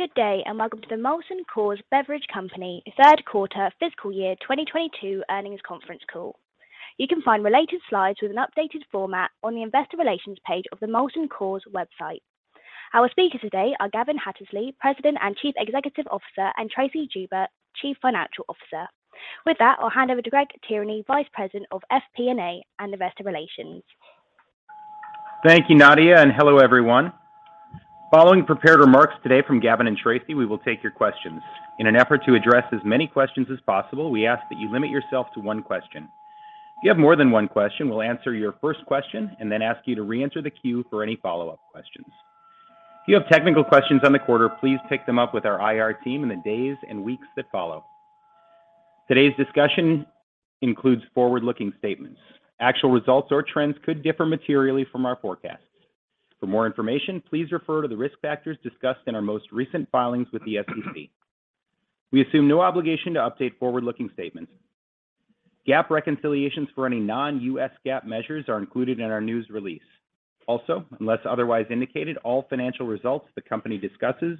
Good day, and welcome to the Molson Coors Beverage Company Q3 fiscal year 2022 earnings conference call. You can find related slides with an updated format on the investor relations page of the Molson Coors website. Our speakers today are Gavin Hattersley, President and Chief Executive Officer, and Tracey Joubert, Chief Financial Officer. With that, I'll hand over to Greg Tierney, Vice President of FP&A and Investor Relations. Thank you, Nadia, and hello, everyone. Following prepared remarks today from Gavin and Tracey, we will take your questions. In an effort to address as many questions as possible, we ask that you limit yourself to one question. If you have more than one question, we'll answer your first question and then ask you to reenter the queue for any follow-up questions. If you have technical questions on the quarter, please pick them up with our IR team in the days and weeks that follow. Today's discussion includes forward-looking statements. Actual results or trends could differ materially from our forecasts. For more information, please refer to the risk factors discussed in our most recent filings with the SEC. We assume no obligation to update forward-looking statements. GAAP reconciliations for any non-GAAP measures are included in our news release. Also, unless otherwise indicated, all financial results the company discusses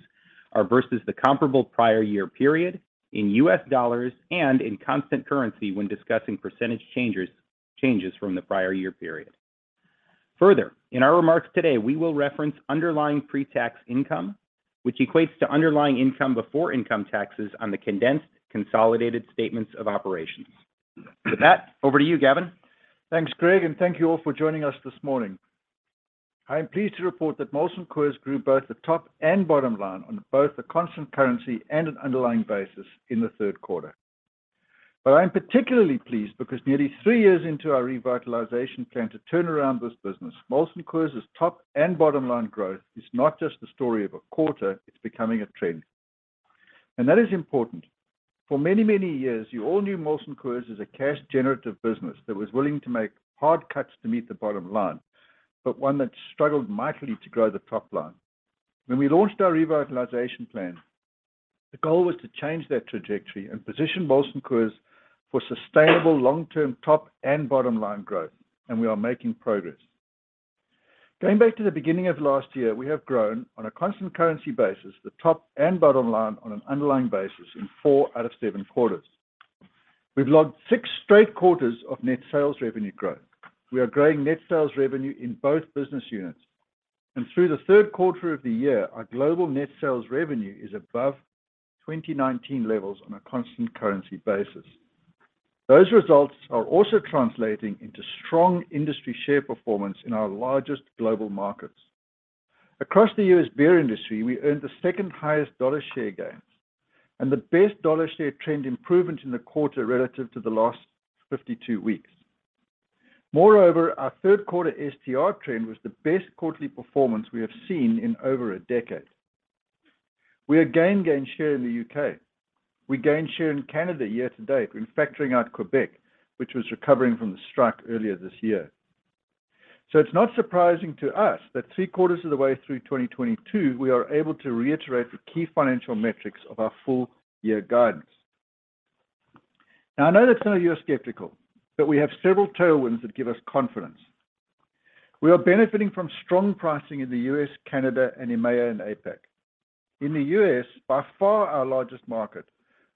are versus the comparable prior year period in U.S. dollars and in constant currency when discussing percentage changes from the prior year period. Further, in our remarks today, we will reference underlying pre-tax income, which equates to underlying income before income taxes on the condensed consolidated statements of operations. With that, over to you, Gavin. Thanks, Greg, and thank you all for joining us this morning. I am pleased to report that Molson Coors grew both the top and bottom line on both the constant currency and an underlying basis in the Q3. I am particularly pleased because nearly three years into our revitalization plan to turn around this business, Molson Coors' top and bottom line growth is not just the story of a quarter, it's becoming a trend, and that is important. For many, many years, you all knew Molson Coors as a cash-generative business that was willing to make hard cuts to meet the bottom line, but one that struggled mightily to grow the top line. When we launched our revitalization plan, the goal was to change that trajectory and position Molson Coors for sustainable long-term top and bottom line growth, and we are making progress. Going back to the beginning of last year, we have grown on a constant currency basis, the top and bottom line on an underlying basis in four out of seven quarters. We've logged six straight quarters of net sales revenue growth. We are growing net sales revenue in both business units. Through the Q3 of the year, our global net sales revenue is above 2019 levels on a constant currency basis. Those results are also translating into strong industry share performance in our largest global markets. Across the U.S. beer industry, we earned the second highest dollar share gains and the best dollar share trend improvement in the quarter relative to the last 52 weeks. Moreover, our Q3 STR trend was the best quarterly performance we have seen in over a decade. We again gained share in the U.K. We gained share in Canada year to date when factoring out Quebec, which was recovering from the strike earlier this year. It's not surprising to us that three quarters of the way through 2022, we are able to reiterate the key financial metrics of our full year guidance. Now, I know that some of you are skeptical, but we have several tailwinds that give us confidence. We are benefiting from strong pricing in the U.S., Canada, and EMEA and APAC. In the U.S., by far our largest market,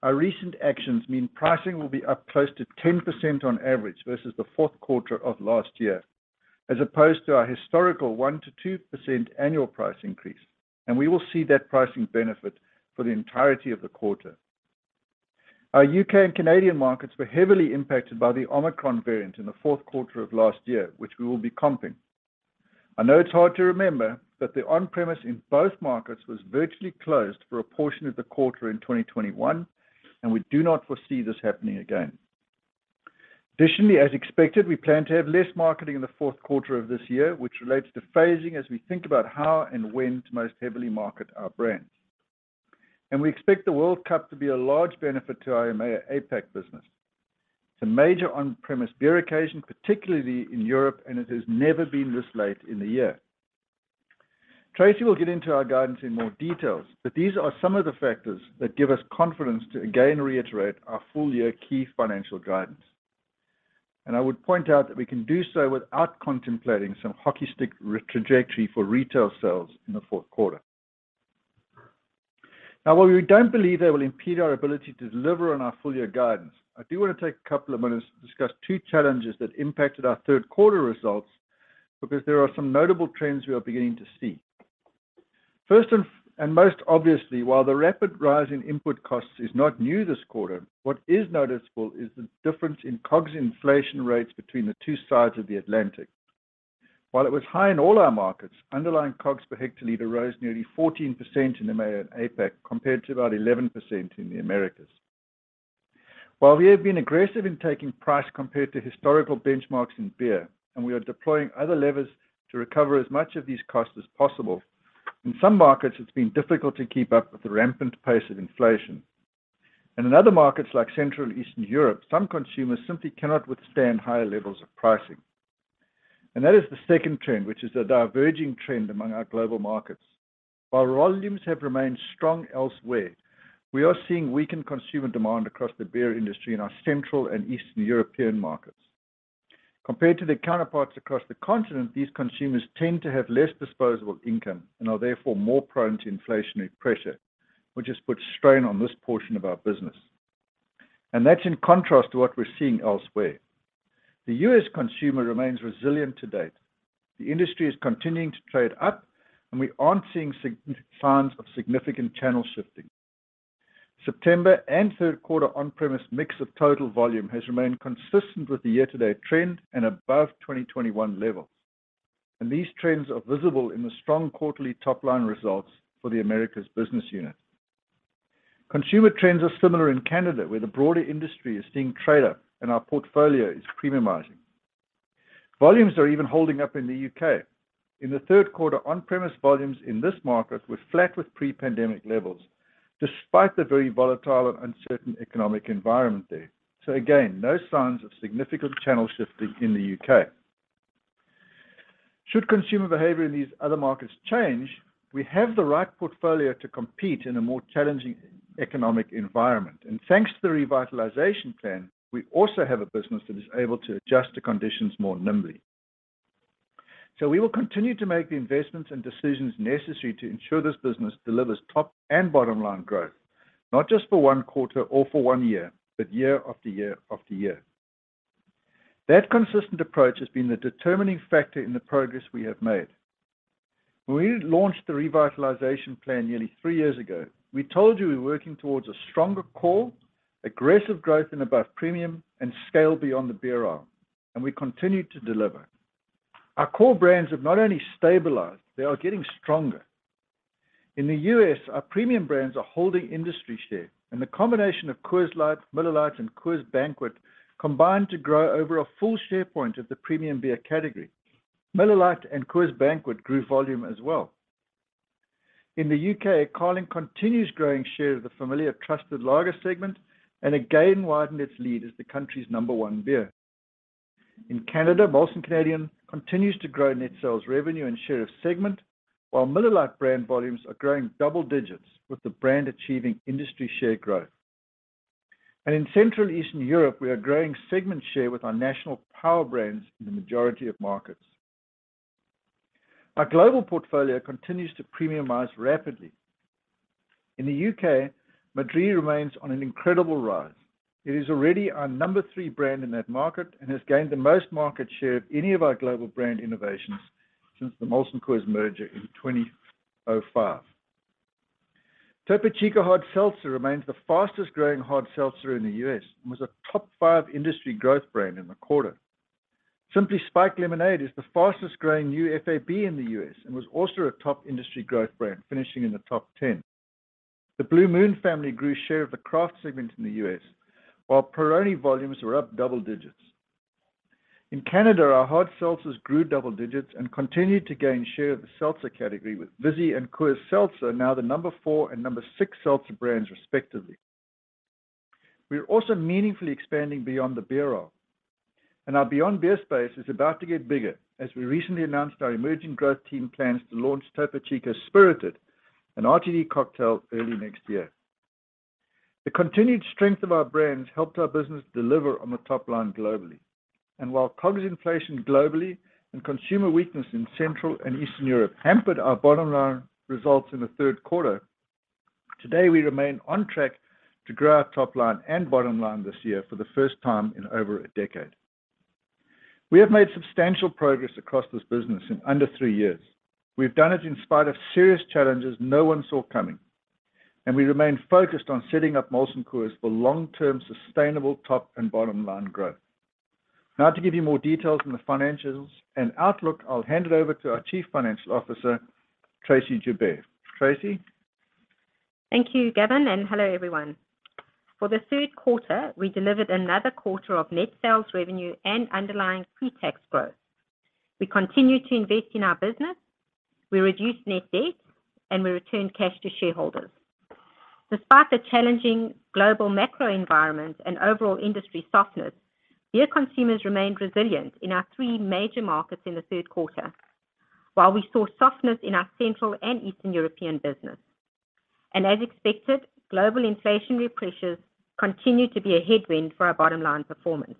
our recent actions mean pricing will be up close to 10% on average versus the Q4 of last year, as opposed to our historical 1%-2% annual price increase, and we will see that pricing benefit for the entirety of the quarter. Our UK and Canadian markets were heavily impacted by the Omicron variant in the Q4 of last year, which we will be comping. I know it's hard to remember that the on-premise in both markets was virtually closed for a portion of the quarter in 2021, and we do not foresee this happening again. Additionally, as expected, we plan to have less marketing in the Q4 of this year, which relates to phasing as we think about how and when to most heavily market our brands. We expect the World Cup to be a large benefit to our EMEA-APAC business. It's a major on-premise beer occasion, particularly in Europe, and it has never been this late in the year. Tracey will get into our guidance in more details, but these are some of the factors that give us confidence to again reiterate our full year key financial guidance. I would point out that we can do so without contemplating some hockey stick re-trajectory for retail sales in the Q4. Now, while we don't believe they will impede our ability to deliver on our full year guidance, I do want to take a couple of minutes to discuss two challenges that impacted our Q3 results because there are some notable trends we are beginning to see. First and most obviously, while the rapid rise in input costs is not new this quarter, what is noticeable is the difference in COGS inflation rates between the two sides of the Atlantic. While it was high in all our markets, underlying COGS per hectoliter rose nearly 14% in the EMEA and APAC compared to about 11% in the Americas. While we have been aggressive in taking price compared to historical benchmarks in beer, and we are deploying other levers to recover as much of these costs as possible, in some markets, it's been difficult to keep up with the rampant pace of inflation. In other markets like Central and Eastern Europe, some consumers simply cannot withstand higher levels of pricing. That is the second trend, which is a diverging trend among our global markets. While volumes have remained strong elsewhere, we are seeing weakened consumer demand across the beer industry in our Central and Eastern European markets. Compared to their counterparts across the continent, these consumers tend to have less disposable income and are therefore more prone to inflationary pressure, which has put strain on this portion of our business. That's in contrast to what we're seeing elsewhere. The U.S. consumer remains resilient to date. The industry is continuing to trade up and we aren't seeing signs of significant channel shifting. September and Q3 on-premise mix of total volume has remained consistent with the year-to-date trend and above 2021 levels. These trends are visible in the strong quarterly top-line results for the Americas business unit. Consumer trends are similar in Canada, where the broader industry is seeing trade up and our portfolio is premiumizing. Volumes are even holding up in the U.K. In the Q3, on-premise volumes in this market were flat with pre-pandemic levels despite the very volatile and uncertain economic environment there. Again, no signs of significant channel shifting in the UK. Should consumer behavior in these other markets change, we have the right portfolio to compete in a more challenging economic environment. Thanks to the revitalization plan, we also have a business that is able to adjust to conditions more nimbly. We will continue to make the investments and decisions necessary to ensure this business delivers top and bottom line growth, not just for one quarter or for one year, but year after year after year. That consistent approach has been the determining factor in the progress we have made. When we launched the revitalization plan nearly three years ago, we told you we were working towards a stronger core, aggressive growth in above premium and scale beyond the beer aisle, and we continue to deliver. Our core brands have not only stabilized, they are getting stronger. In the U.S., our premium brands are holding industry share and the combination of Coors Light, Miller Lite, and Coors Banquet combined to grow over a full share point of the premium beer category. Miller Lite and Coors Banquet grew volume as well. In the U.K., Carling continues growing share of the familiar trusted lager segment and again widened its lead as the country's number one beer. In Canada, Molson Canadian continues to grow net sales revenue and share of segment, while Miller Lite brand volumes are growing double digits with the brand achieving industry share growth. In Central Eastern Europe, we are growing segment share with our national power brands in the majority of markets. Our global portfolio continues to premiumize rapidly. In the UK, Madrí Excepcional remains on an incredible rise. It is already our number three brand in that market and has gained the most market share of any of our global brand innovations since the Molson Coors merger in 2005. Topo Chico Hard Seltzer remains the fastest growing hard seltzer in the U.S. and was a top five industry growth brand in the quarter. Simply Spiked Lemonade is the fastest growing new FAB in the U.S. and was also a top industry growth brand, finishing in the top 10. The Blue Moon family grew share of the craft segment in the U.S., while Peroni volumes were up double digits. In Canada, our hard seltzers grew double digits and continued to gain share of the seltzer category with Vizzy and Coors Seltzer now the number four and number six seltzer brands respectively. We are also meaningfully expanding beyond the beer aisle. Our beyond beer space is about to get bigger as we recently announced our emerging growth team plans to launch Topo Chico Spirited, an RTD cocktail early next year. The continued strength of our brands helped our business deliver on the top line globally. While COGS inflation globally and consumer weakness in Central and Eastern Europe hampered our bottom line results in the Q3, today, we remain on track to grow our top line and bottom line this year for the first time in over a decade. We have made substantial progress across this business in under three years. We've done it in spite of serious challenges no one saw coming, and we remain focused on setting up Molson Coors for long-term sustainable top and bottom line growth. Now to give you more details on the financials and outlook, I'll hand it over to our Chief Financial Officer, Tracey Joubert. Tracey. Thank you, Gavin, and hello, everyone. For the Q3, we delivered another quarter of net sales revenue and underlying pre-tax growth. We continued to invest in our business, we reduced net debt, and we returned cash to shareholders. Despite the challenging global macro environment and overall industry softness, beer consumers remained resilient in our three major markets in the Q3 while we saw softness in our Central and Eastern European business. As expected, global inflationary pressures continue to be a headwind for our bottom line performance.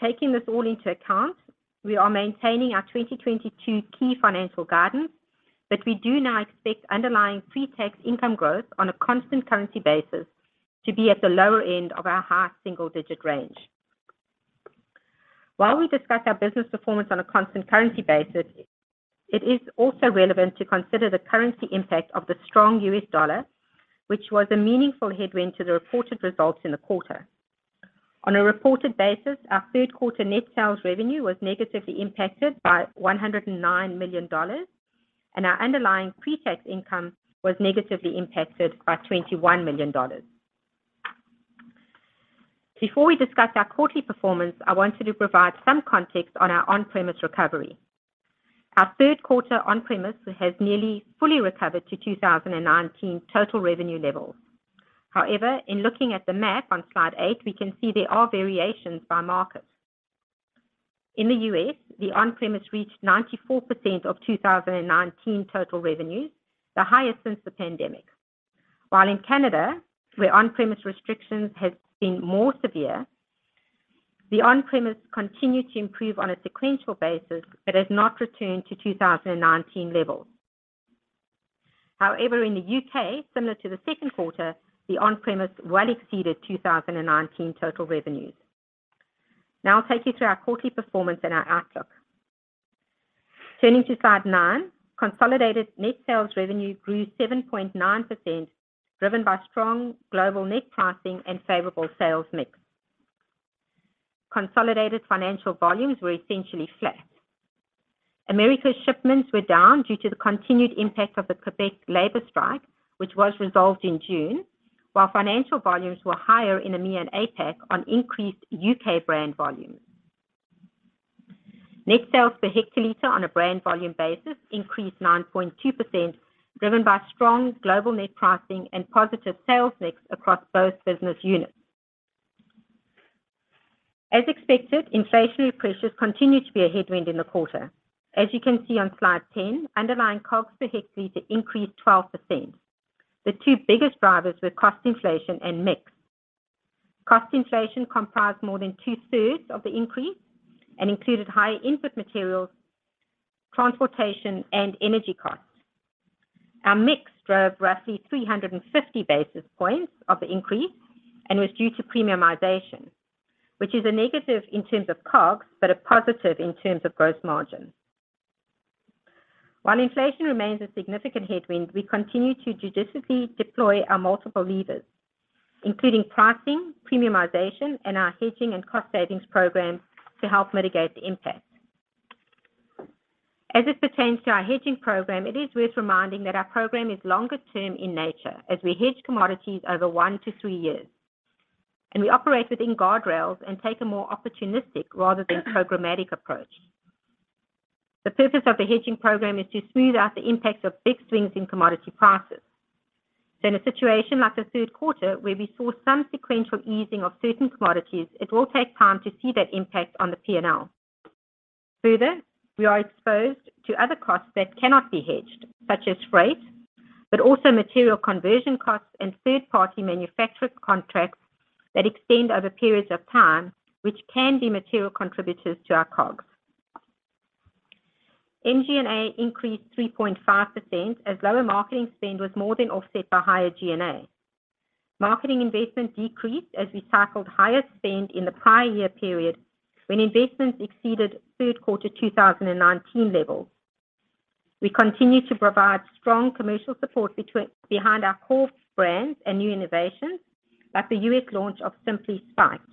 Taking this all into account, we are maintaining our 2022 key financial guidance, but we do now expect underlying pre-tax income growth on a constant currency basis to be at the lower end of our high single-digit range. While we discuss our business performance on a constant currency basis, it is also relevant to consider the currency impact of the strong U.S. dollar, which was a meaningful headwind to the reported results in the quarter. On a reported basis, our Q3 net sales revenue was negatively impacted by $109 million, and our underlying pre-tax income was negatively impacted by $21 million. Before we discuss our quarterly performance, I wanted to provide some context on our on-premise recovery. Our Q3 on-premise has nearly fully recovered to 2019 total revenue levels. However, in looking at the map on slide eight, we can see there are variations by market. In the U.S., the on-premise reached 94% of 2019 total revenues, the highest since the pandemic. While in Canada, where on-premise restrictions have been more severe, the on-premise continued to improve on a sequential basis, but has not returned to 2019 levels. However, in the U.K., similar to the second quarter, the on-premise well exceeded 2019 total revenues. Now I'll take you through our quarterly performance and our outlook. Turning to slide nine. Consolidated net sales revenue grew 7.9%, driven by strong global net pricing and favorable sales mix. Consolidated financial volumes were essentially flat. America's shipments were down due to the continued impact of the Quebec labor strike, which was resolved in June, while financial volumes were higher in EMEA and APAC on increased U.K. brand volumes. Net sales per hectoliter on a brand volume basis increased 9.2%, driven by strong global net pricing and positive sales mix across both business units. As expected, inflationary pressures continued to be a headwind in the quarter. As you can see on slide 10, underlying COGS per hectoliter increased 12%. The two biggest drivers were cost inflation and mix. Cost inflation comprised more than two-thirds of the increase and included higher input materials, transportation, and energy costs. Our mix drove roughly 350 basis points of the increase and was due to premiumization, which is a negative in terms of COGS, but a positive in terms of gross margin. While inflation remains a significant headwind, we continue to judiciously deploy our multiple levers, including pricing, premiumization, and our hedging and cost savings program to help mitigate the impact. As it pertains to our hedging program, it is worth reminding that our program is longer term in nature as we hedge commodities over 1-3 years, and we operate within guardrails and take a more opportunistic rather than programmatic approach. The purpose of the hedging program is to smooth out the impacts of big swings in commodity prices. In a situation like the Q3 where we saw some sequential easing of certain commodities, it will take time to see that impact on the P&L. Further, we are exposed to other costs that cannot be hedged, such as freight, but also material conversion costs and third-party manufactured contracts that extend over periods of time, which can be material contributors to our COGS. MG&A increased 3.5% as lower marketing spend was more than offset by higher G&A. Marketing investment decreased as we cycled higher spend in the prior year period when investments exceeded Q3 2019 levels. We continue to provide strong commercial support behind our core brands and new innovations, like the U.S. launch of Simply Spiked.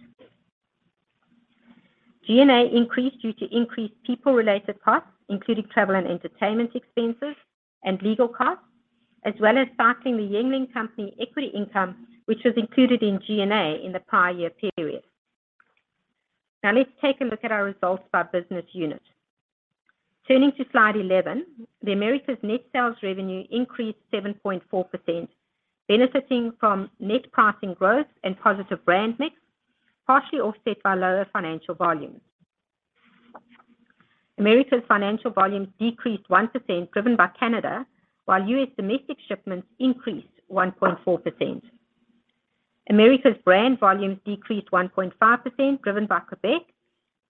G&A increased due to increased people-related costs, including travel and entertainment expenses and legal costs, as well as cycling the Yuengling company equity income, which was included in G&A in the prior year period. Now let's take a look at our results by business unit. Turning to slide 11. The Americas net sales revenue increased 7.4%, benefiting from net pricing growth and positive brand mix, partially offset by lower shipment volumes. Americas shipment volumes decreased 1% driven by Canada, while U.S. domestic shipments increased 1.4%. Americas brand volumes decreased 1.5% driven by Quebec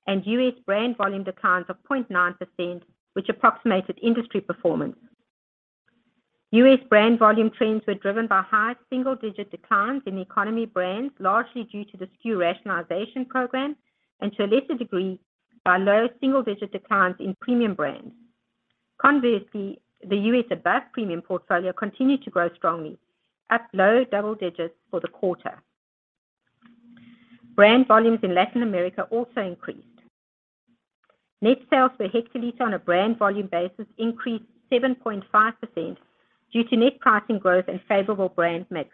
and US brand volume declines of 0.9%, which approximated industry performance. US brand volume trends were driven by high single digit declines in economy brands, largely due to the SKU rationalization program and to a lesser degree by low single digit declines in premium brands. Conversely, the U.S. above premium portfolio continued to grow strongly at low double digits for the quarter. Brand volumes in Latin America also increased. Net sales per hectoliter on a brand volume basis increased 7.5% due to net pricing growth and favorable brand mix.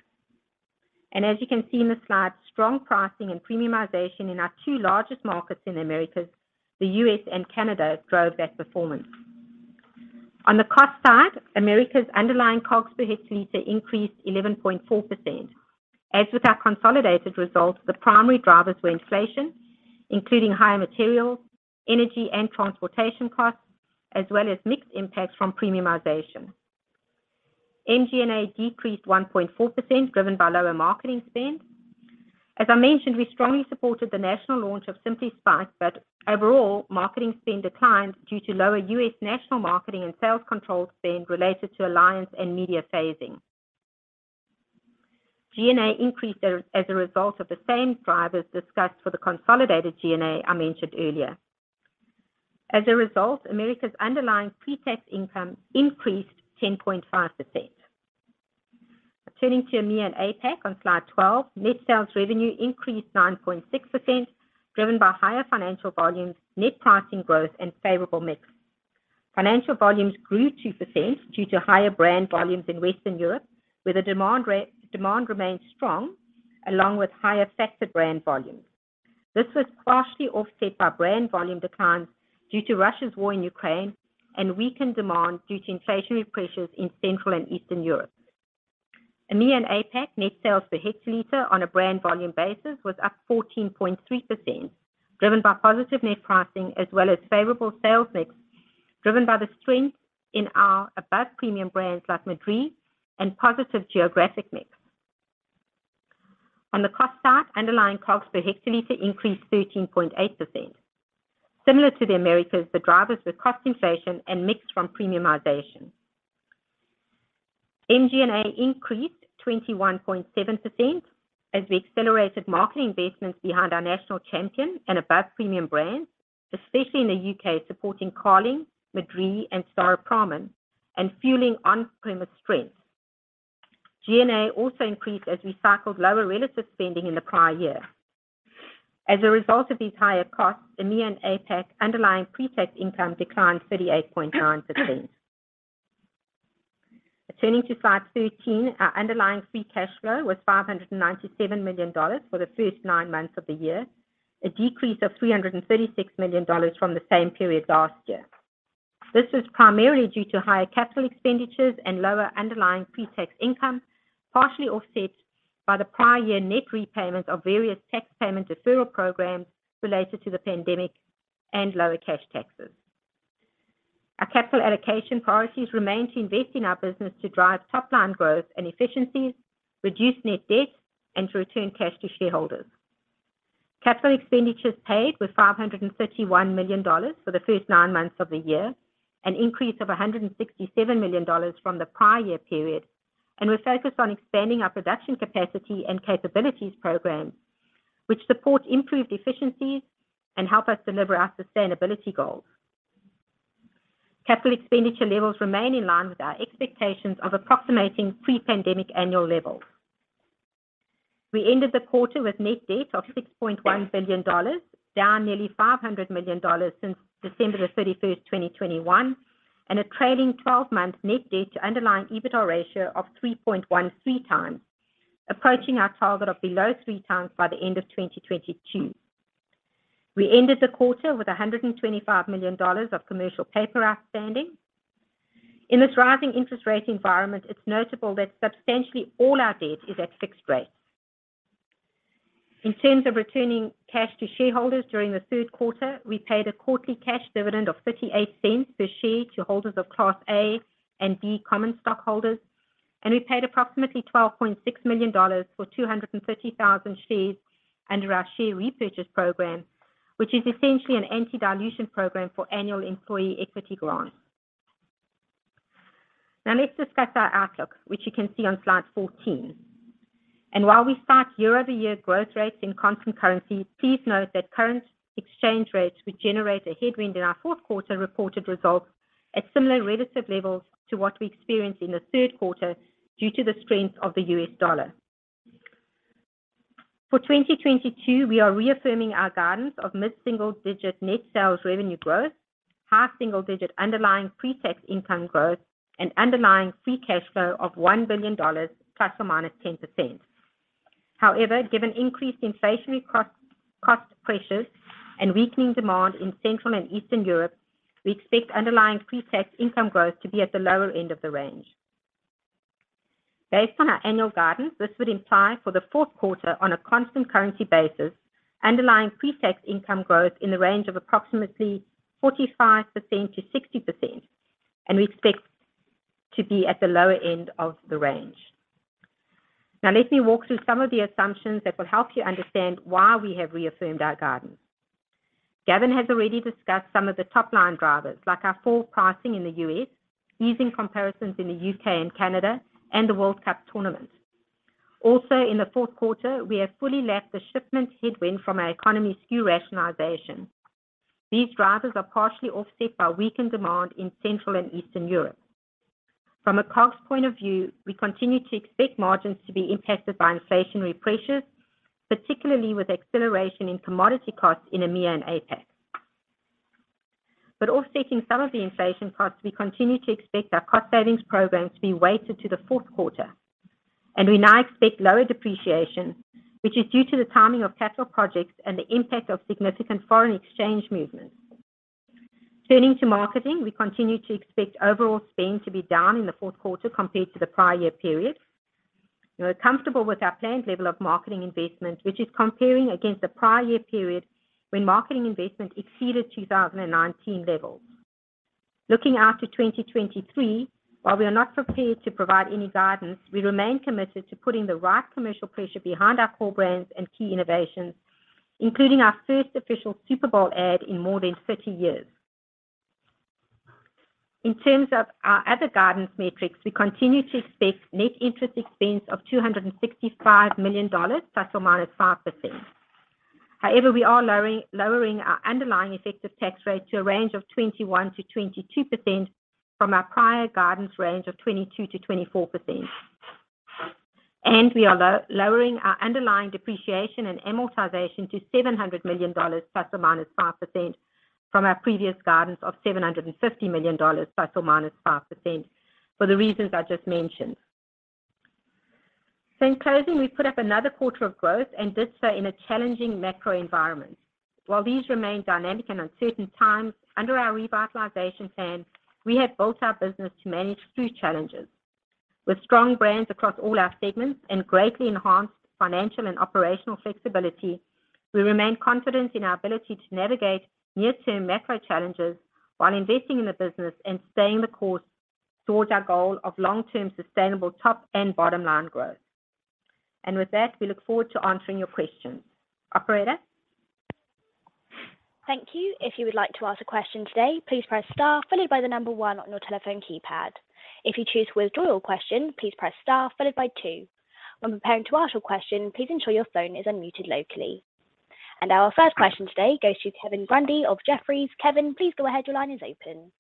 As you can see in the slide, strong pricing and premiumization in our two largest markets in Americas, the U.S. and Canada, drove that performance. On the cost side, Americas underlying COGS per hectoliter increased 11.4%. With our consolidated results, the primary drivers were inflation, including higher materials, energy and transportation costs, as well as mix impacts from premiumization. MG&A decreased 1.4% driven by lower marketing spend. As I mentioned, we strongly supported the national launch of Simply Spiked, but overall, marketing spend declined due to lower U.S. national marketing and sales control spend related to alliance and media phasing. G&A increased as a result of the same drivers discussed for the consolidated G&A I mentioned earlier. As a result, Americas underlying pre-tax income increased 10.5%. Turning to EMEA and APAC on slide 12. Net sales revenue increased 9.6%, driven by higher financial volumes, net pricing growth and favorable mix. Financial volumes grew 2% due to higher brand volumes in Western Europe, where the demand remained strong along with higher factor brand volumes. This was partially offset by brand volume declines due to Russia's war in Ukraine and weakened demand due to inflationary pressures in Central and Eastern Europe. EMEA and APAC net sales per hectoliter on a brand volume basis was up 14.3%, driven by positive net pricing as well as favorable sales mix. Driven by the strength in our above-premium brands like Madrí and positive geographic mix. On the cost side, underlying COGS per hectoliter increased 13.8%. Similar to the Americas, the drivers were cost inflation and mix from premiumization. MG&A increased 21.7% as we accelerated marketing investments behind our national champion and above premium brands, especially in the U.K., supporting Carling, Madrí and Staropramen and fueling on-premise strength. G&A also increased as we cycled lower relative spending in the prior year. As a result of these higher costs, EMEA and APAC underlying pre-tax income declined 38.9%. Turning to slide 13, our underlying free cash flow was $597 million for the first nine months of the year, a decrease of $336 million from the same period last year. This was primarily due to higher capital expenditures and lower underlying pre-tax income, partially offset by the prior year net repayments of various tax payment deferral programs related to the pandemic and lower cash taxes. Our capital allocation priorities remain to invest in our business to drive top line growth and efficiencies, reduce net debt, and to return cash to shareholders. Capital expenditures paid were $531 million for the first nine months of the year, an increase of $167 million from the prior year period. We're focused on expanding our production capacity and capabilities program, which support improved efficiencies and help us deliver our sustainability goals. Capital expenditure levels remain in line with our expectations of approximating pre-pandemic annual levels. We ended the quarter with net debt of $6.1 billion, down nearly $500 million since December 31, 2021, and a trailing twelve-month net debt to underlying EBITDA ratio of 3.13 times. Approaching our target of below 3 times by the end of 2022. We ended the quarter with $125 million of commercial paper outstanding. In this rising interest rate environment, it's notable that substantially all our debt is at fixed rates. In terms of returning cash to shareholders during the Q3, we paid a quarterly cash dividend of $0.38 per share to holders of Class A and B common stockholders, and we paid approximately $12.6 million for 230,000 shares under our share repurchase program, which is essentially an anti-dilution program for annual employee equity grants. Now let's discuss our outlook, which you can see on slide 14. While we start year-over-year growth rates in constant currency, please note that current exchange rates would generate a headwind in our Q4 reported results at similar relative levels to what we experienced in the Q3 due to the strength of the U.S. dollar. For 2022, we are reaffirming our guidance of mid-single-digit net sales revenue growth, high single-digit underlying pre-tax income growth and underlying free cash flow of $1 billion ±10%. However, given increased inflationary cost pressures and weakening demand in Central and Eastern Europe, we expect underlying pre-tax income growth to be at the lower end of the range. Based on our annual guidance, this would imply for the Q4 on a constant currency basis, underlying pre-tax income growth in the range of approximately 45%-60%, and we expect to be at the lower end of the range. Now let me walk through some of the assumptions that will help you understand why we have reaffirmed our guidance. Gavin has already discussed some of the top line drivers, like our full pricing in the US, easing comparisons in the UK and Canada, and the World Cup tournament. Also, in the Q4, we have fully lapped the shipment headwind from our economy SKU rationalization. These drivers are partially offset by weakened demand in Central and Eastern Europe. From a COGS point of view, we continue to expect margins to be impacted by inflationary pressures, particularly with acceleration in commodity costs in EMEA and APAC. Offsetting some of the inflation costs, we continue to expect our cost savings program to be weighted to the Q4, and we now expect lower depreciation, which is due to the timing of capital projects and the impact of significant foreign exchange movements. Turning to marketing, we continue to expect overall spend to be down in the Q4 compared to the prior year period. We're comfortable with our planned level of marketing investment, which is comparing against the prior year period when marketing investment exceeded 2019 levels. Looking out to 2023, while we are not prepared to provide any guidance, we remain committed to putting the right commercial pressure behind our core brands and key innovations, including our first official Super Bowl ad in more than 30 years. In terms of our other guidance metrics, we continue to expect net interest expense of $265 million ±5%. However, we are lowering our underlying effective tax rate to a range of 21%-22% from our prior guidance range of 22%-24%. We are lowering our underlying depreciation and amortization to $700 million ±5% from our previous guidance of $750 million ±5% for the reasons I just mentioned. In closing, we've put up another quarter of growth, and this was in a challenging macro environment. While these remain dynamic and uncertain times, under our revitalization plan, we have built our business to manage through challenges. With strong brands across all our segments and greatly enhanced financial and operational flexibility, we remain confident in our ability to navigate near-term macro challenges while investing in the business and staying the course towards our goal of long-term sustainable top and bottom line growth. With that, we look forward to answering your questions. Operator? Thank you. If you would like to ask a question today, please press star followed by the number one on your telephone keypad. If you choose to withdraw your question, please press star followed by two. When preparing to ask your question, please ensure your phone is unmuted locally. Our first question today goes to Kevin Grundy of Jefferies. Kevin, please go ahead. Your line is open.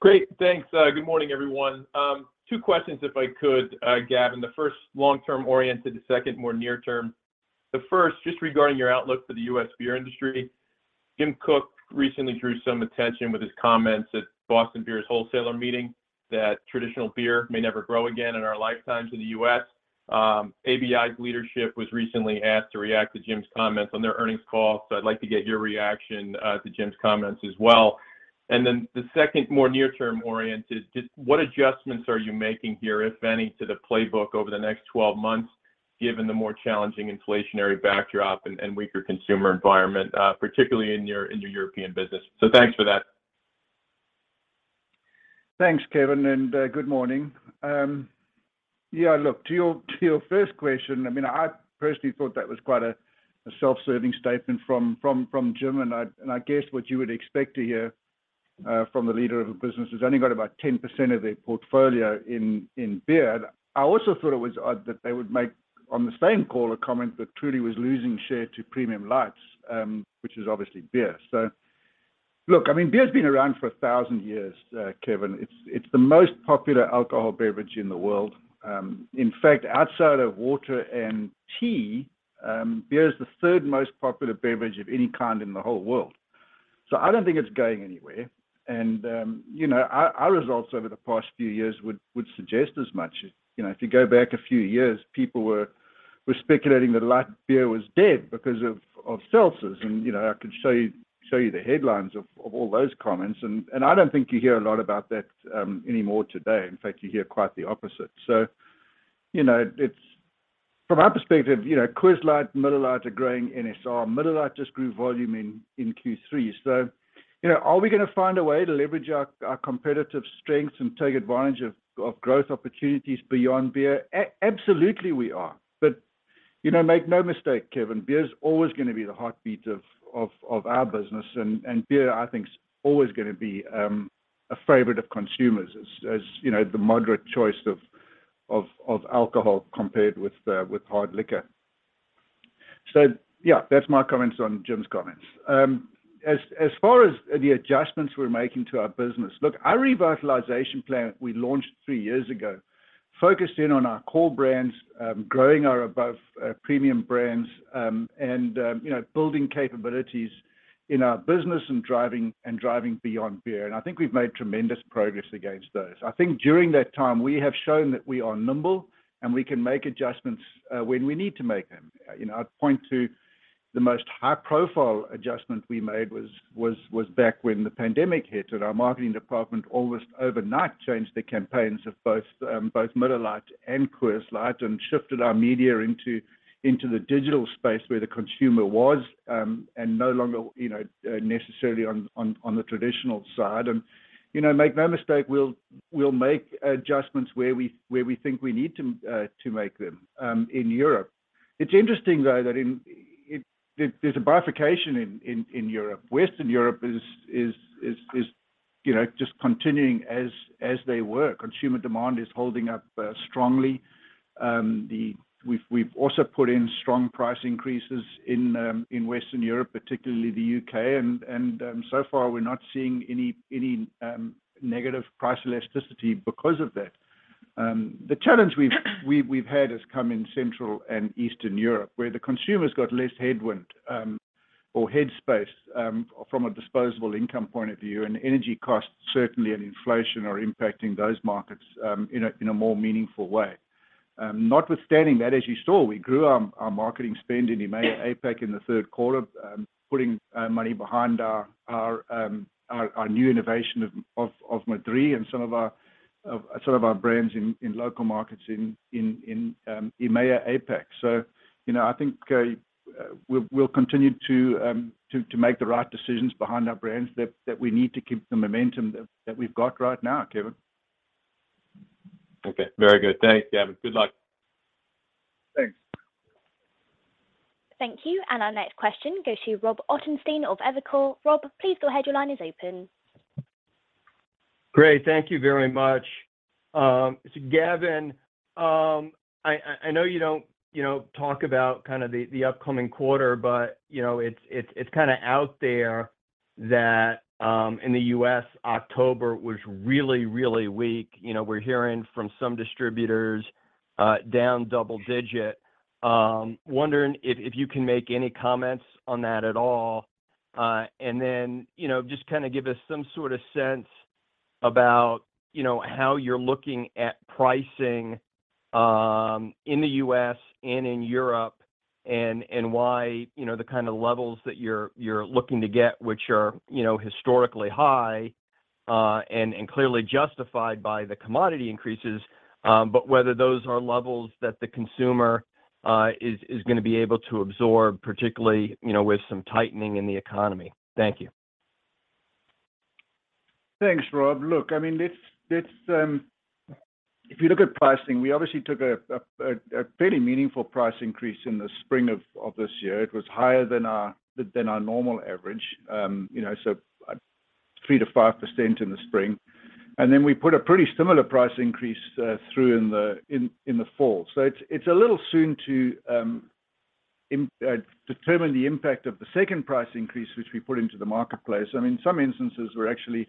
Great. Thanks. Good morning, everyone. Two questions if I could, Gavin. The first long-term oriented, the second more near-term. The first just regarding your outlook for the U.S. beer industry. Jim Koch recently drew some attention with his comments at Boston Beer's wholesaler meeting that traditional beer may never grow again in our lifetimes in the U.S. ABI's leadership was recently asked to react to Jim's comments on their earnings call, so I'd like to get your reaction to Jim's comments as well. The second more near-term oriented, just what adjustments are you making here, if any, to the playbook over the next 12 months given the more challenging inflationary backdrop and weaker consumer environment, particularly in your European business? Thanks for that. Thanks, Kevin, and good morning. Yeah, look, to your first question, I mean, I personally thought that was quite a self-serving statement from Jim. I guess what you would expect to hear from the leader of a business who's only got about 10% of their portfolio in beer. I also thought it was odd that they would make on the same call a comment that Truly was losing share to premium lights, which is obviously beer. Look, I mean, beer's been around for 1,000 years, Kevin. It's the most popular alcoholic beverage in the world. In fact, outside of water and tea, beer is the third most popular beverage of any kind in the whole world. I don't think it's going anywhere. You know, our results over the past few years would suggest as much. You know, if you go back a few years, people were speculating that light beer was dead because of seltzers. You know, I could show you the headlines of all those comments, and I don't think you hear a lot about that anymore today. In fact, you hear quite the opposite. From our perspective, you know, Coors Light and Miller Lite are growing NSR. Miller Lite just grew volume in Q3. You know, are we gonna find a way to leverage our competitive strengths and take advantage of growth opportunities beyond beer? Absolutely we are. You know, make no mistake, Kevin, beer's always gonna be the heartbeat of our business. Beer I think is always gonna be a favorite of consumers as, you know, the moderate choice of alcohol compared with hard liquor. Yeah, that's my comments on Jim's comments. As far as the adjustments we're making to our business. Look, our revitalization plan we launched three years ago focused in on our core brands, growing our above premium brands, and you know, building capabilities in our business and driving beyond beer. I think we've made tremendous progress against those. I think during that time, we have shown that we are nimble, and we can make adjustments when we need to make them. You know, I'd point to the most high profile adjustment we made was back when the pandemic hit and our marketing department almost overnight changed the campaigns of both Miller Lite and Coors Light and shifted our media into the digital space where the consumer was and no longer, you know, necessarily on the traditional side. You know, make no mistake, we'll make adjustments where we think we need to make them in Europe. It's interesting though that there's a bifurcation in Europe. Western Europe is, you know, just continuing as they were. Consumer demand is holding up strongly. We've also put in strong price increases in Western Europe, particularly the UK. So far, we're not seeing any negative price elasticity because of that. The challenge we've had has come in Central and Eastern Europe, where the consumer's got less headwind or head space from a disposable income point of view, and energy costs certainly and inflation are impacting those markets in a more meaningful way. Notwithstanding that, as you saw, we grew our marketing spend in EMEA-APAC in the Q3, putting money behind our new innovation of Madrí and some of our brands in local markets in EMEA-APAC. You know, I think we'll continue to make the right decisions behind our brands that we need to keep the momentum that we've got right now, Kevin. Okay. Very good. Thanks, Gavin. Good luck. Thanks. Thank you. Our next question goes to Robert Ottenstein of Evercore. Rob, please go ahead. Your line is open. Great. Thank you very much. Gavin, I know you don't, you know, talk about kind of the upcoming quarter, but you know, it's kinda out there that in the U.S., October was really weak. You know, we're hearing from some distributors down double digit. Wondering if you can make any comments on that at all. You know, just kinda give us some sorta sense about you know, how you're looking at pricing. In the U.S. and in Europe, and why, you know, the kind of levels that you're looking to get, which are, you know, historically high, and clearly justified by the commodity increases, but whether those are levels that the consumer is gonna be able to absorb, particularly, you know, with some tightening in the economy. Thank you. Thanks, Rob. Look, I mean, it's if you look at pricing, we obviously took a fairly meaningful price increase in the spring of this year. It was higher than our normal average, you know, so 3%-5% in the spring. We put a pretty similar price increase through in the fall. It's a little soon to determine the impact of the second price increase, which we put into the marketplace. I mean, some instances we're actually,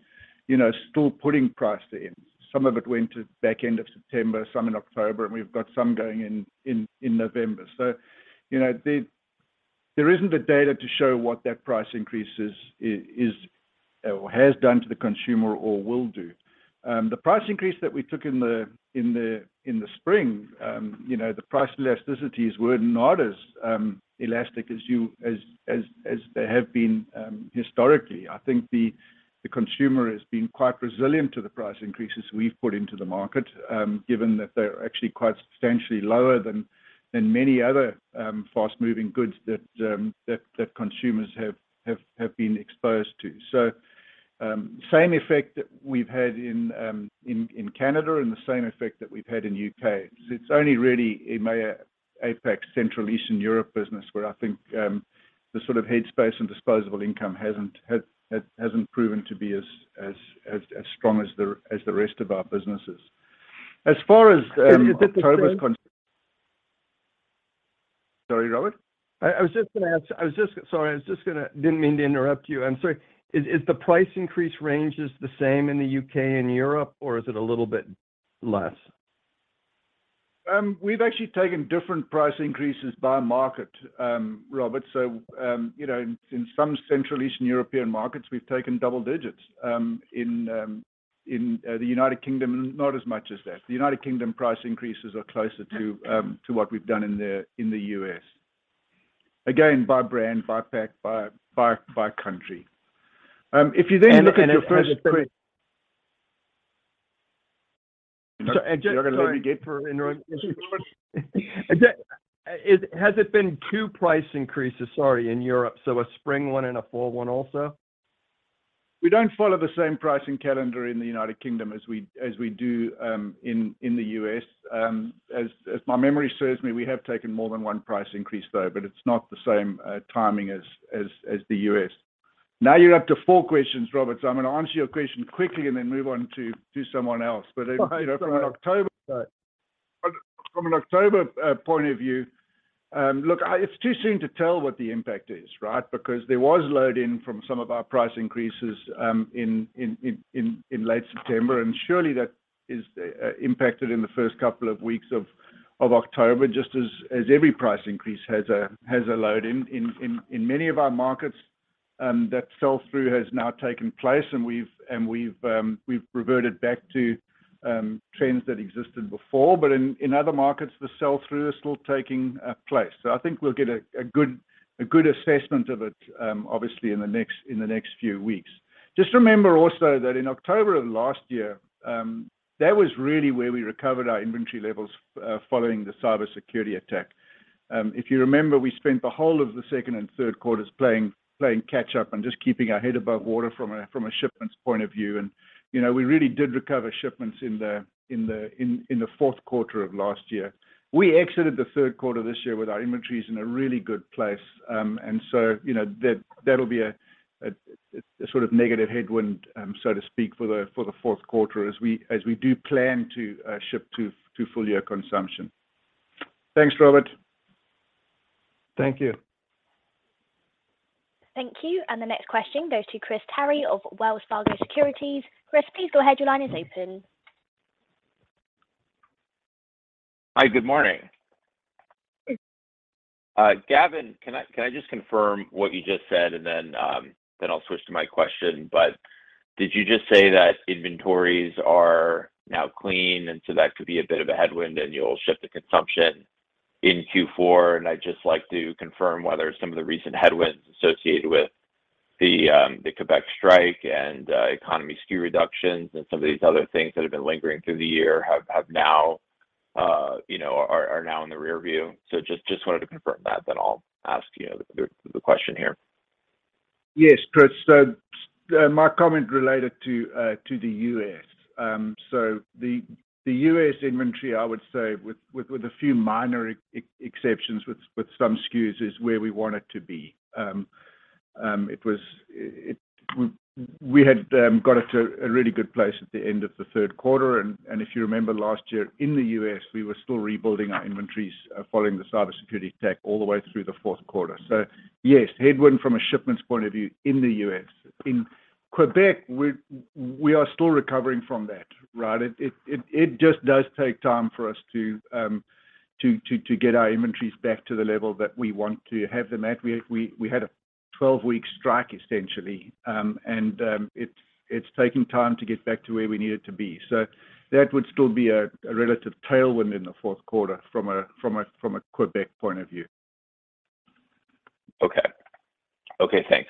you know, still putting price in. Some of it went to back end of September, some in October, and we've got some going in November. You know, there isn't the data to show what that price increase is or has done to the consumer or will do. The price increase that we took in the spring, you know, the price elasticities were not as elastic as they have been historically. I think the consumer has been quite resilient to the price increases we've put into the market, given that they're actually quite substantially lower than many other fast-moving goods that consumers have been exposed to. Same effect that we've had in Canada and the same effect that we've had in the U.K. It's only really in my APAC, Central Eastern Europe business where I think the sort of headspace and disposable income hasn't proven to be as strong as the rest of our businesses. As far as October's con- Can you get the same- Sorry, Robert? I was just gonna ask. Sorry, didn't mean to interrupt you. So is the price increase range the same in the U.K. and Europe, or is it a little bit less? We've actually taken different price increases by market, Robert. You know, in some Central and Eastern European markets, we've taken double digits. In the United Kingdom, not as much as that. The United Kingdom price increases are closer to what we've done in the U.S. Again, by brand, by pack, by country. Has it been? Sorry. You're gonna let me get through in the wrong question, Robert? Is it? Has it been two price increases, sorry, in Europe? A spring one and a fall one also? We don't follow the same pricing calendar in the United Kingdom as we do in the U.S. As my memory serves me, we have taken more than one price increase though, but it's not the same timing as the U.S. Now you're up to four questions, Robert, so I'm gonna answer your question quickly and then move on to someone else. You know, from an October Sorry. From an October point of view, it's too soon to tell what the impact is, right? Because there was load in from some of our price increases in late September, and surely that is impacted in the first couple of weeks of October, just as every price increase has a load in. In many of our markets, that sell-through has now taken place, and we've reverted back to trends that existed before. In other markets, the sell-through is still taking place. I think we'll get a good assessment of it, obviously in the next few weeks. Just remember also that in October of last year, that was really where we recovered our inventory levels following the cybersecurity attack. If you remember, we spent the whole of the second and Q3 playing catch up and just keeping our head above water from a shipments point of view. You know, we really did recover shipments in the Q4 of last year. We exited the Q3 this year with our inventories in a really good place. You know, that'll be a sort of negative headwind, so to speak, for the Q4 as we do plan to ship to full year consumption. Thanks, Robert. Thank you. Thank you. The next question goes to Christopher Carey of Wells Fargo Securities. Chris, please go ahead. Your line is open. Hi, good morning. Good morning. Gavin, can I just confirm what you just said and then I'll switch to my question? Did you just say that inventories are now clean and so that could be a bit of a headwind and you'll ship to consumption in Q4? I'd just like to confirm whether some of the recent headwinds associated with the Quebec strike and ongoing SKU reductions and some of these other things that have been lingering through the year have now are now in the rear view. Just wanted to confirm that, then I'll ask you the question here. Yes, Chris. My comment related to the U.S. The U.S. inventory, I would say, with a few minor exceptions with some SKUs is where we want it to be. We had got it to a really good place at the end of the Q3. If you remember last year in the U.S., we were still rebuilding our inventories following the cybersecurity attack all the way through the Q4. Yes, headwind from a shipments point of view in the U.S. In Quebec, we are still recovering from that, right? It just does take time for us to get our inventories back to the level that we want to have them at. We had a 12-week strike essentially, and it's taking time to get back to where we need it to be. That would still be a relative tailwind in the Q4 from a Quebec point of view. Okay. Okay, thanks.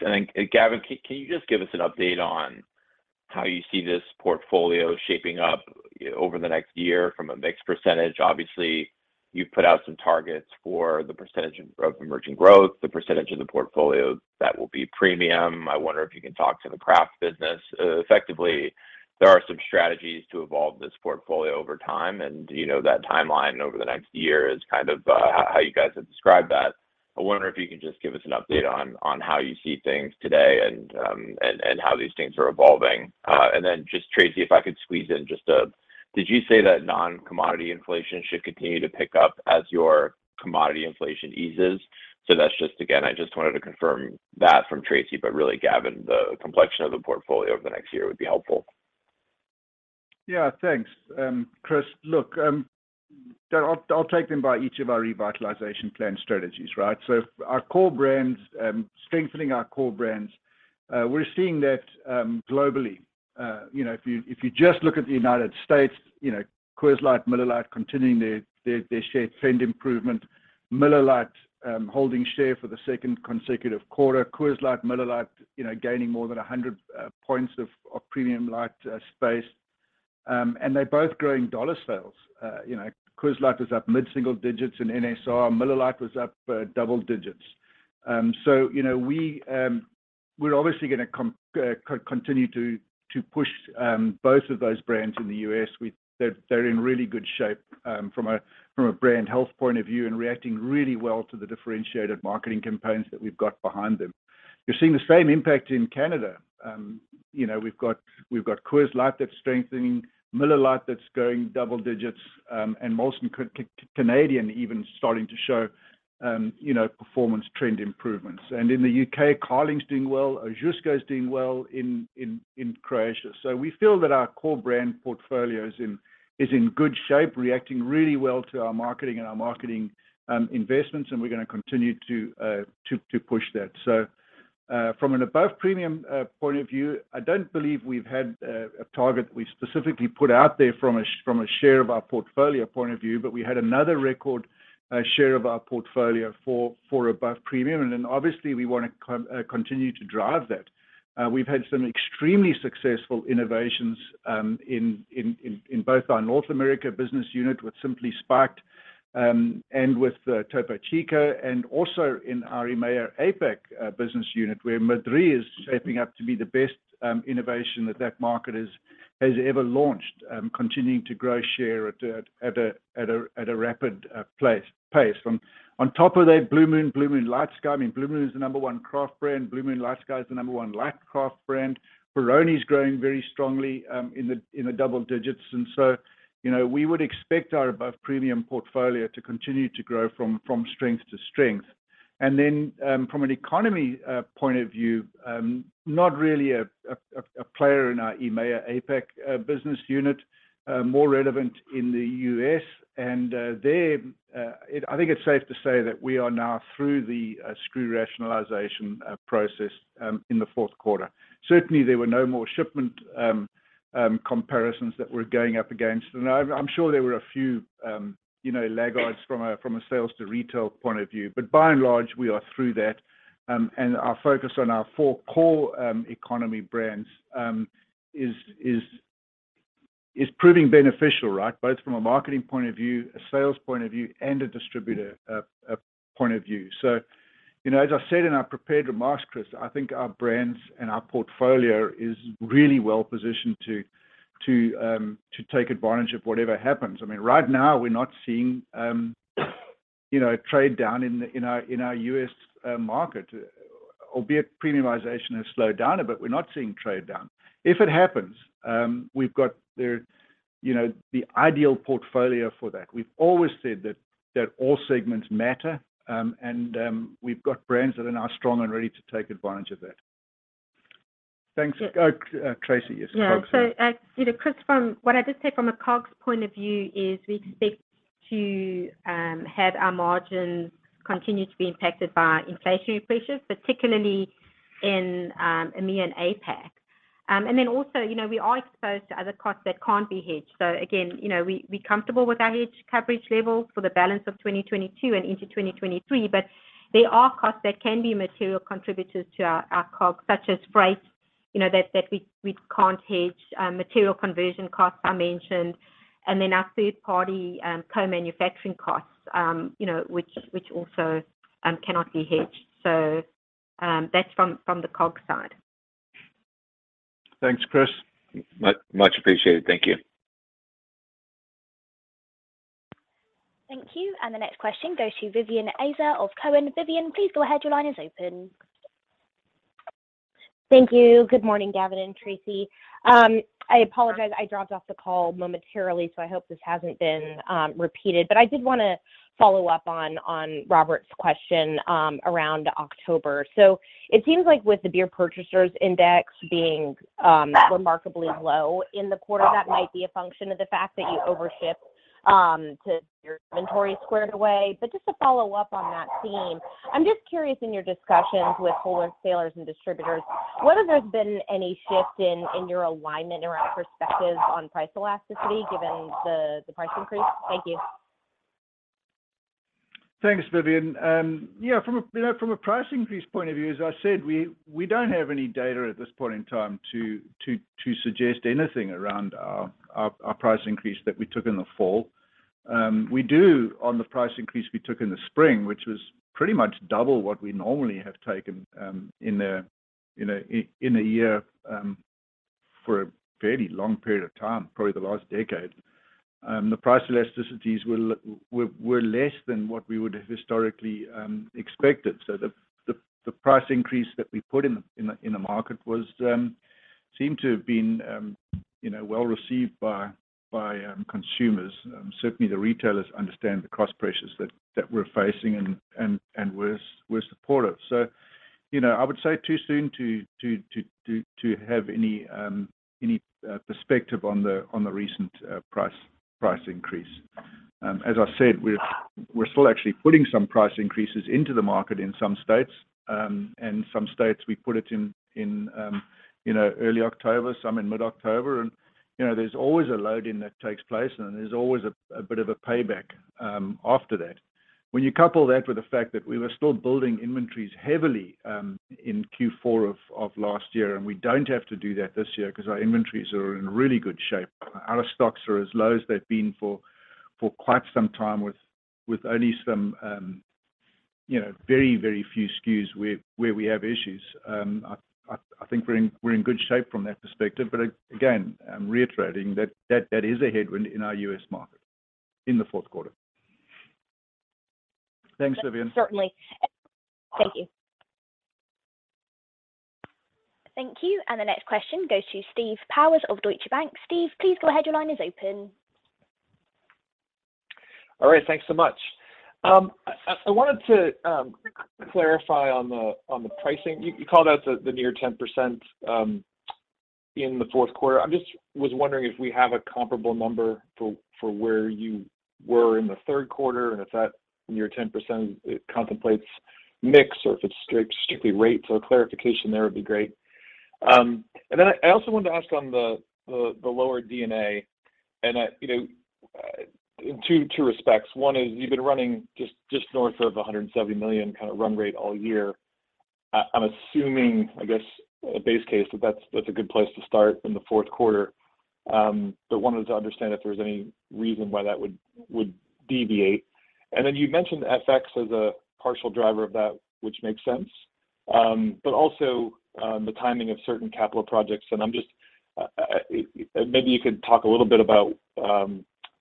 Gavin, can you just give us an update on how you see this portfolio shaping up over the next year from a mix percentage? Obviously, you've put out some targets for the percentage of emerging growth, the percentage of the portfolio that will be premium. I wonder if you can talk to the craft business. Effectively, there are some strategies to evolve this portfolio over time and, you know, that timeline over the next year is kind of how you guys have described that. I wonder if you can just give us an update on how you see things today and how these things are evolving. Then just Tracey, if I could squeeze in. Did you say that non-commodity inflation should continue to pick up as your commodity inflation eases? That's just again, I just wanted to confirm that from Tracey, but really Gavin, the complexion of the portfolio over the next year would be helpful. Yeah, thanks, Chris. Look, I'll take them by each of our revitalization plan strategies, right? Our core brands, strengthening our core brands, we're seeing that globally. You know, if you just look at the United States, you know, Coors Light, Miller Lite continuing their share trend improvement. Miller Lite holding share for the second consecutive quarter. Coors Light, Miller Lite, you know, gaining more than 100 points of premium light space. They're both growing dollar sales. You know, Coors Light is up mid-single digits in NSR. Miller Lite was up double digits. You know, we're obviously gonna continue to push both of those brands in the US. They're in really good shape from a brand health point of view and reacting really well to the differentiated marketing campaigns that we've got behind them. You're seeing the same impact in Canada. You know, we've got Coors Light that's strengthening, Miller Lite that's growing double digits, and Molson Canadian even starting to show you know, performance trend improvements. In the U.K., Carling's doing well. Ožujsko is doing well in Croatia. We feel that our core brand portfolio is in good shape, reacting really well to our marketing investments, and we're gonna continue to push that. From an above premium point of view, I don't believe we've had a target we specifically put out there from a share of our portfolio point of view, but we had another record share of our portfolio for above premium. Obviously we wanna continue to drive that. We've had some extremely successful innovations in both our North America business unit with Simply Spiked and with Topo Chico, and also in our EMEA/APAC business unit, where Madrí is shaping up to be the best innovation that market has ever launched, continuing to grow share at a rapid pace. On top of that, Blue Moon LightSky. I mean, Blue Moon is the number one craft brand. Blue Moon LightSky is the number one light craft brand. Peroni's growing very strongly in the double digits. You know, we would expect our above premium portfolio to continue to grow from strength to strength. From an economic point of view, not really a player in our EMEA/APAC business unit, more relevant in the U.S. I think it's safe to say that we are now through the SKU rationalization process in the Q4. Certainly, there were no more shipment comparisons that we're going up against. I'm sure there were a few laggards from a sales to retail point of view. By and large, we are through that, and our focus on our four core economy brands is proving beneficial, right? Both from a marketing point of view, a sales point of view, and a distributor point of view. You know, as I said in our prepared remarks, Chris, I think our brands and our portfolio is really well positioned to take advantage of whatever happens. I mean, right now we're not seeing you know, trade down in our U.S. market. Albeit premiumization has slowed down a bit, we're not seeing trade down. If it happens, we've got the you know, the ideal portfolio for that. We've always said that all segments matter, and we've got brands that are now strong and ready to take advantage of that. Thanks. Tracey, yes. Yeah. You know, Chris, from what I did say from a COGS point of view is we expect to have our margins continue to be impacted by inflationary pressures, particularly in EMEA and APAC. And then also, you know, we are exposed to other costs that can't be hedged. Again, you know, we're comfortable with our hedge coverage levels for the balance of 2022 and into 2023, but there are costs that can be material contributors to our COGS, such as freight, you know, that we can't hedge, material conversion costs I mentioned, and then our third-party co-manufacturing costs, you know, which also cannot be hedged. That's from the COGS side. Thanks, Chris. Much appreciated. Thank you. Thank you. The next question goes to Vivien Azer of Cowen. Vivien, please go ahead. Your line is open. Thank you. Good morning, Gavin and Tracey. I apologize, I dropped off the call momentarily, so I hope this hasn't been repeated. I did wanna follow up on Robert's question around October. It seems like with the Beer Purchasers' Index being remarkably low in the quarter, that might be a function of the fact that you overship to get your inventory squared away. Just to follow up on that theme, I'm just curious in your discussions with wholesalers and distributors, what if there's been any shift in your alignment around perspective on price elasticity given the price increase? Thank you. Thanks, Vivien. Yeah, from a price increase point of view, as I said, we don't have any data at this point in time to suggest anything around our price increase that we took in the fall. We do on the price increase we took in the spring, which was pretty much double what we normally have taken in a year for a fairly long period of time, probably the last decade. The price elasticities were less than what we would have historically expected. The price increase that we put in the market seemed to have been, you know, well received by consumers. Certainly the retailers understand the cost pressures that we're facing and were supportive. You know, I would say too soon to have any perspective on the recent price increase. As I said, we're still actually putting some price increases into the market in some states. Some states, we put it in, you know, early October, some in mid-October. You know, there's always a load-in that takes place, and there's always a bit of a payback after that. When you couple that with the fact that we were still building inventories heavily in Q4 of last year, and we don't have to do that this year because our inventories are in really good shape. Our stocks are as low as they've been for quite some time, with only some you know very few SKUs where we have issues. I think we're in good shape from that perspective. Again, I'm reiterating that that is a headwind in our U.S. market in the Q4. Thanks, Vivien. Certainly. Thank you. Thank you. The next question goes to Steve Powers of Deutsche Bank. Steve, please go ahead. Your line is open. All right. Thanks so much. I wanted to clarify on the pricing. You called out the near 10% in the Q4. I was just wondering if we have a comparable number for where you were in the Q3 and if that near 10% contemplates mix or if it's strictly rates, so clarification there would be great. And then I also wanted to ask on the lower D&A and I, you know, in two respects. One is you've been running just north of $170 million kind of run rate all year. I'm assuming, I guess, a base case that that's a good place to start in the Q4. But wanted to understand if there's any reason why that would deviate. You mentioned FX as a partial driver of that, which makes sense. The timing of certain capital projects. Maybe you could talk a little bit about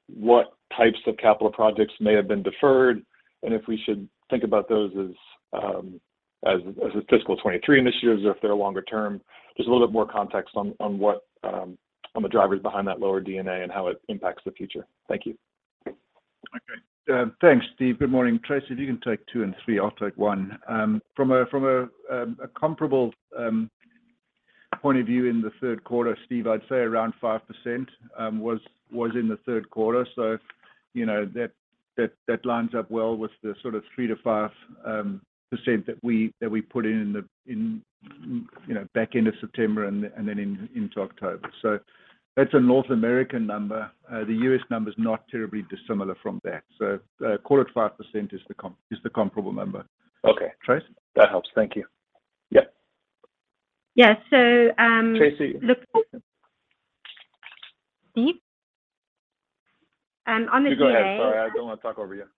what types of capital projects may have been deferred and if we should think about those as fiscal 2023 initiatives or if they're longer term. Just a little bit more context on what the drivers behind that lower D&A and how it impacts the future. Thank you. Okay. Thanks, Steve. Good morning. Tracey, if you can take two and three, I'll take one. From a comparable point of view in the Q3, Steve, I'd say around 5% was in the Q3. You know, that lines up well with the sort of 3%-5% that we put in, you know, back end of September and then into October. That's a North American number. The US number is not terribly dissimilar from that. Call it 5% is the comparable number. Okay. Trace? That helps. Thank you. Yeah. Yeah. Tracey- Look, Steve, on the D&A. You go ahead. Sorry, I don't wanna talk over you.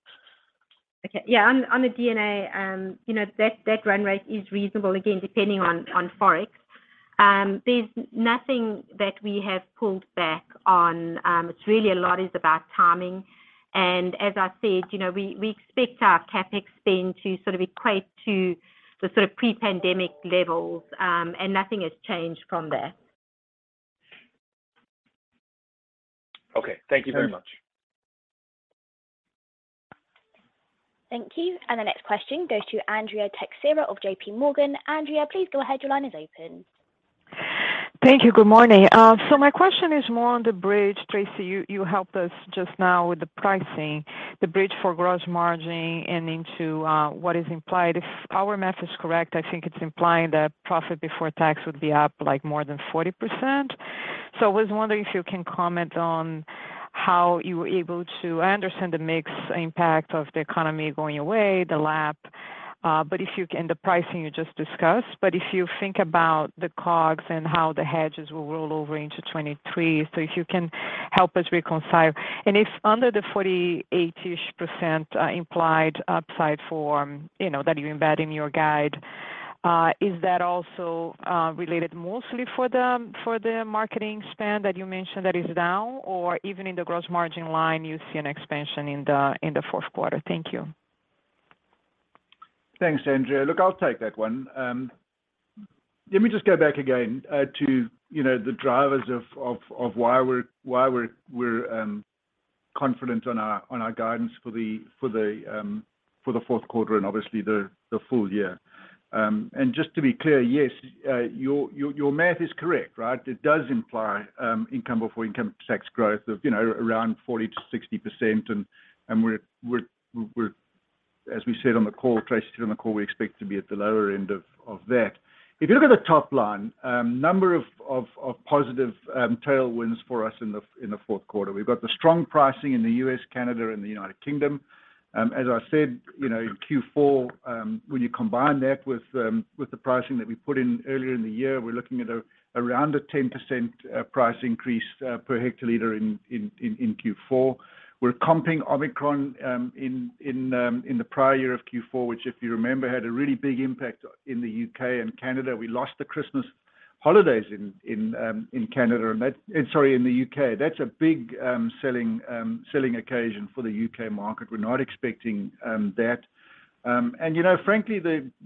Okay. Yeah, on the D&A, you know, that run rate is reasonable, again, depending on Forex. There's nothing that we have pulled back on. It's really a lot is about timing. As I said, you know, we expect our CapEx spend to sort of equate to the sort of pre-pandemic levels, and nothing has changed from there. Okay. Thank you very much. Thank you. The next question goes to Andrea Teixeira of JPMorgan. Andrea, please go ahead. Your line is open. Thank you. Good morning. My question is more on the bridge. Tracey, you helped us just now with the pricing. The bridge for gross margin and into what is implied. If our math is correct, I think it's implying that profit before tax would be up, like, more than 40%. I was wondering if you can comment on how you were able to understand the mix impact of the economy going away, the lapping, and the pricing you just discussed. If you think about the COGS and how the hedges will roll over into 2023, if you can help us reconcile. If under the 40%, 80%-ish implied upside for, you know, that you embed in your guide, is that also related mostly for the marketing spend that you mentioned that is down, or even in the gross margin line, you see an expansion in the Q4? Thank you. Thanks, Andrea Teixeira. Look, I'll take that one. Let me just go back again to you know the drivers of why we're confident on our guidance for the Q4 and obviously the full year. Just to be clear, yes, your math is correct, right? It does imply income before income tax growth of you know around 40%-60%. We're as we said on the call, Tracey Joubert said on the call, we expect to be at the lower end of that. If you look at the top line, number of positive tailwinds for us in the Q4. We've got the strong pricing in the U.S., Canada and the United Kingdom. As I said, you know, in Q4, when you combine that with the pricing that we put in earlier in the year, we're looking at around a 10% price increase per hectoliter in Q4. We're comping Omicron in the prior year of Q4, which if you remember, had a really big impact in the U.K. and Canada. We lost the Christmas holidays in Canada. Sorry, in the U.K. That's a big selling occasion for the U.K. market. We're not expecting that. You know, frankly,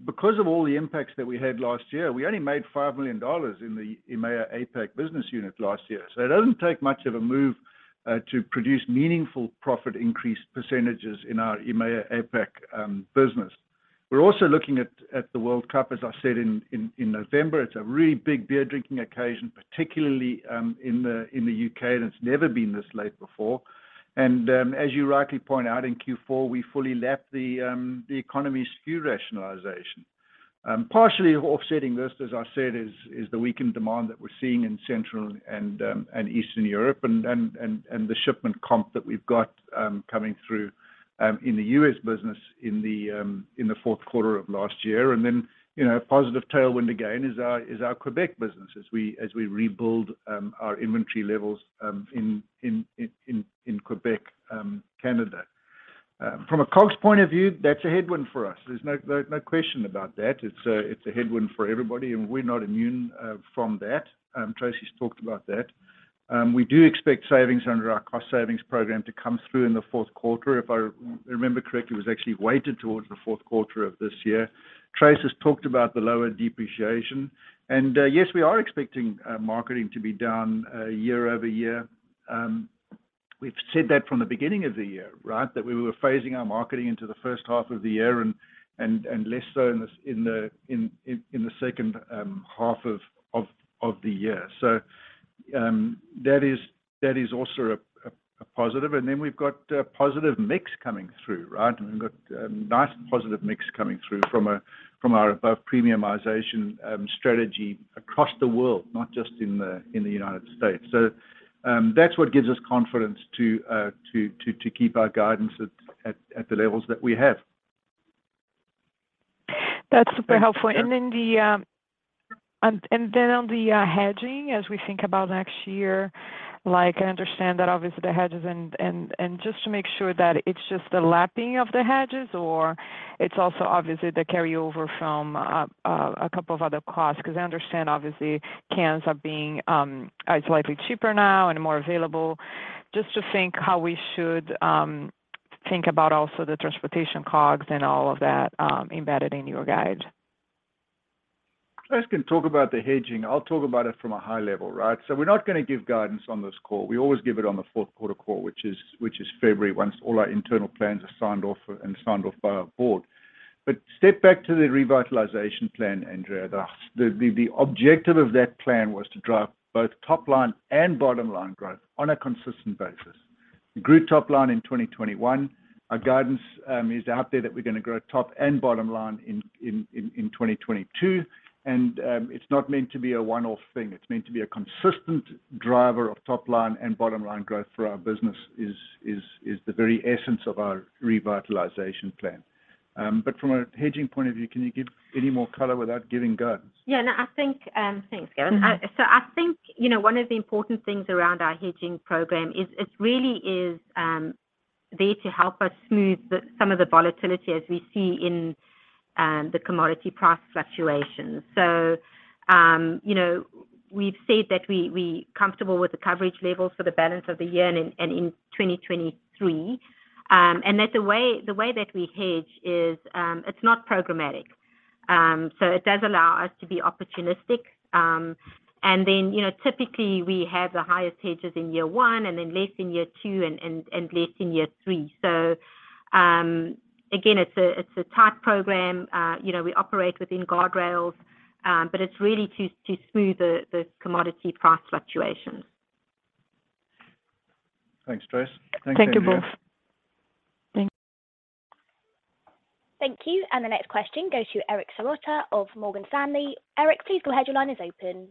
because of all the impacts that we had last year, we only made $5 million in the EMEA and APAC business unit last year. It doesn't take much of a move to produce meaningful profit increase percentages in our EMEA, APAC business. We're also looking at the World Cup, as I said, in November. It's a really big beer-drinking occasion, particularly in the UK, and it's never been this late before. As you rightly point out, in Q4, we fully lapped the ongoing SKU rationalization. Partially offsetting this, as I said, is the weakened demand that we're seeing in Central and Eastern Europe and the shipment comp that we've got coming through in the U.S. business in the Q4 of last year. You know, a positive tailwind again is our Quebec business as we rebuild our inventory levels in Quebec, Canada. From a COGS point of view, that's a headwind for us. There's no question about that. It's a headwind for everybody, and we're not immune from that. Tracey's talked about that. We do expect savings under our cost savings program to come through in the Q4. If I remember correctly, it was actually weighted towards the Q4 of this year. Tracey's talked about the lower depreciation. Yes, we are expecting marketing to be down year-over-year. We've said that from the beginning of the year, right? That we were phasing our marketing into the first half of the year and less so in the second half of the year. That is also a positive. We've got a positive mix coming through, right? We've got a nice positive mix coming through from our above premiumization strategy across the world, not just in the United States. That's what gives us confidence to keep our guidance at the levels that we have. That's super helpful. Thank you. On the hedging as we think about next year, like I understand that obviously the hedges and just to make sure that it's just the lapping of the hedges or it's also obviously the carryover from a couple of other costs. 'Cause I understand obviously cans are likely cheaper now and more available. Just to think how we should think about also the transportation COGS and all of that embedded in your guide. Tracey can talk about the hedging. I'll talk about it from a high level, right? We're not gonna give guidance on this call. We always give it on the Q4 call, which is February, once all our internal plans are signed off by our board. Step back to the revitalization plan, Andrea. The objective of that plan was to drive both top line and bottom line growth on a consistent basis. We grew top line in 2021. Our guidance is out there that we're gonna grow top and bottom line in 2022. It's not meant to be a one-off thing. It's meant to be a consistent driver of top line and bottom line growth for our business is the very essence of our revitalization plan. From a hedging point of view, can you give any more color without giving guidance? Yeah. No, I think, Thanks, Gavin. Mm-hmm. I think, you know, one of the important things around our hedging program is it really is there to help us smooth some of the volatility as we see in the commodity price fluctuations. You know, we've said that we're comfortable with the coverage levels for the balance of the year and in 2023. That the way that we hedge is it's not programmatic. It does allow us to be opportunistic. You know, typically we have the highest hedges in year one and then less in year two and less in year three. Again, it's a tight program. You know, we operate within guardrails, but it's really to smooth the commodity price fluctuations. Thanks, Tracey. Thanks, Andrea. Thank you both. Thanks. Thank you. The next question goes to Eric Serotta of Morgan Stanley. Eric, please go ahead. Your line is open.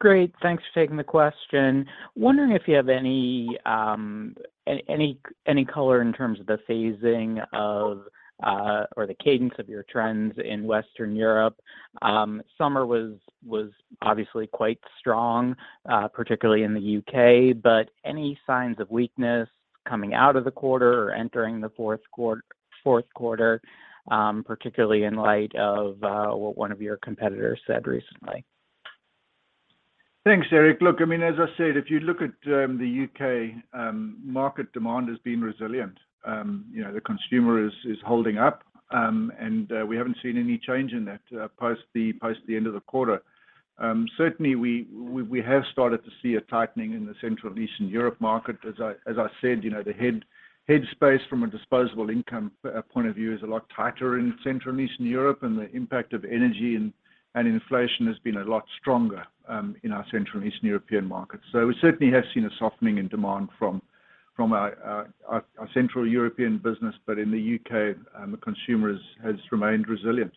Great. Thanks for taking the question. Wondering if you have any color in terms of the phasing of or the cadence of your trends in Western Europe. Summer was obviously quite strong, particularly in the U.K., but any signs of weakness coming out of the quarter or entering the Q4, particularly in light of what one of your competitors said recently? Thanks, Eric. Look, I mean, as I said, if you look at the U.K. market, demand has been resilient. You know, the consumer is holding up. We haven't seen any change in that post the end of the quarter. Certainly we have started to see a tightening in the Central and Eastern Europe market. As I said, you know, the headspace from a disposable income point of view is a lot tighter in Central and Eastern Europe, and the impact of energy and inflation has been a lot stronger in our Central and Eastern European markets. We certainly have seen a softening in demand from our Central European business. In the U.K., the consumer has remained resilient.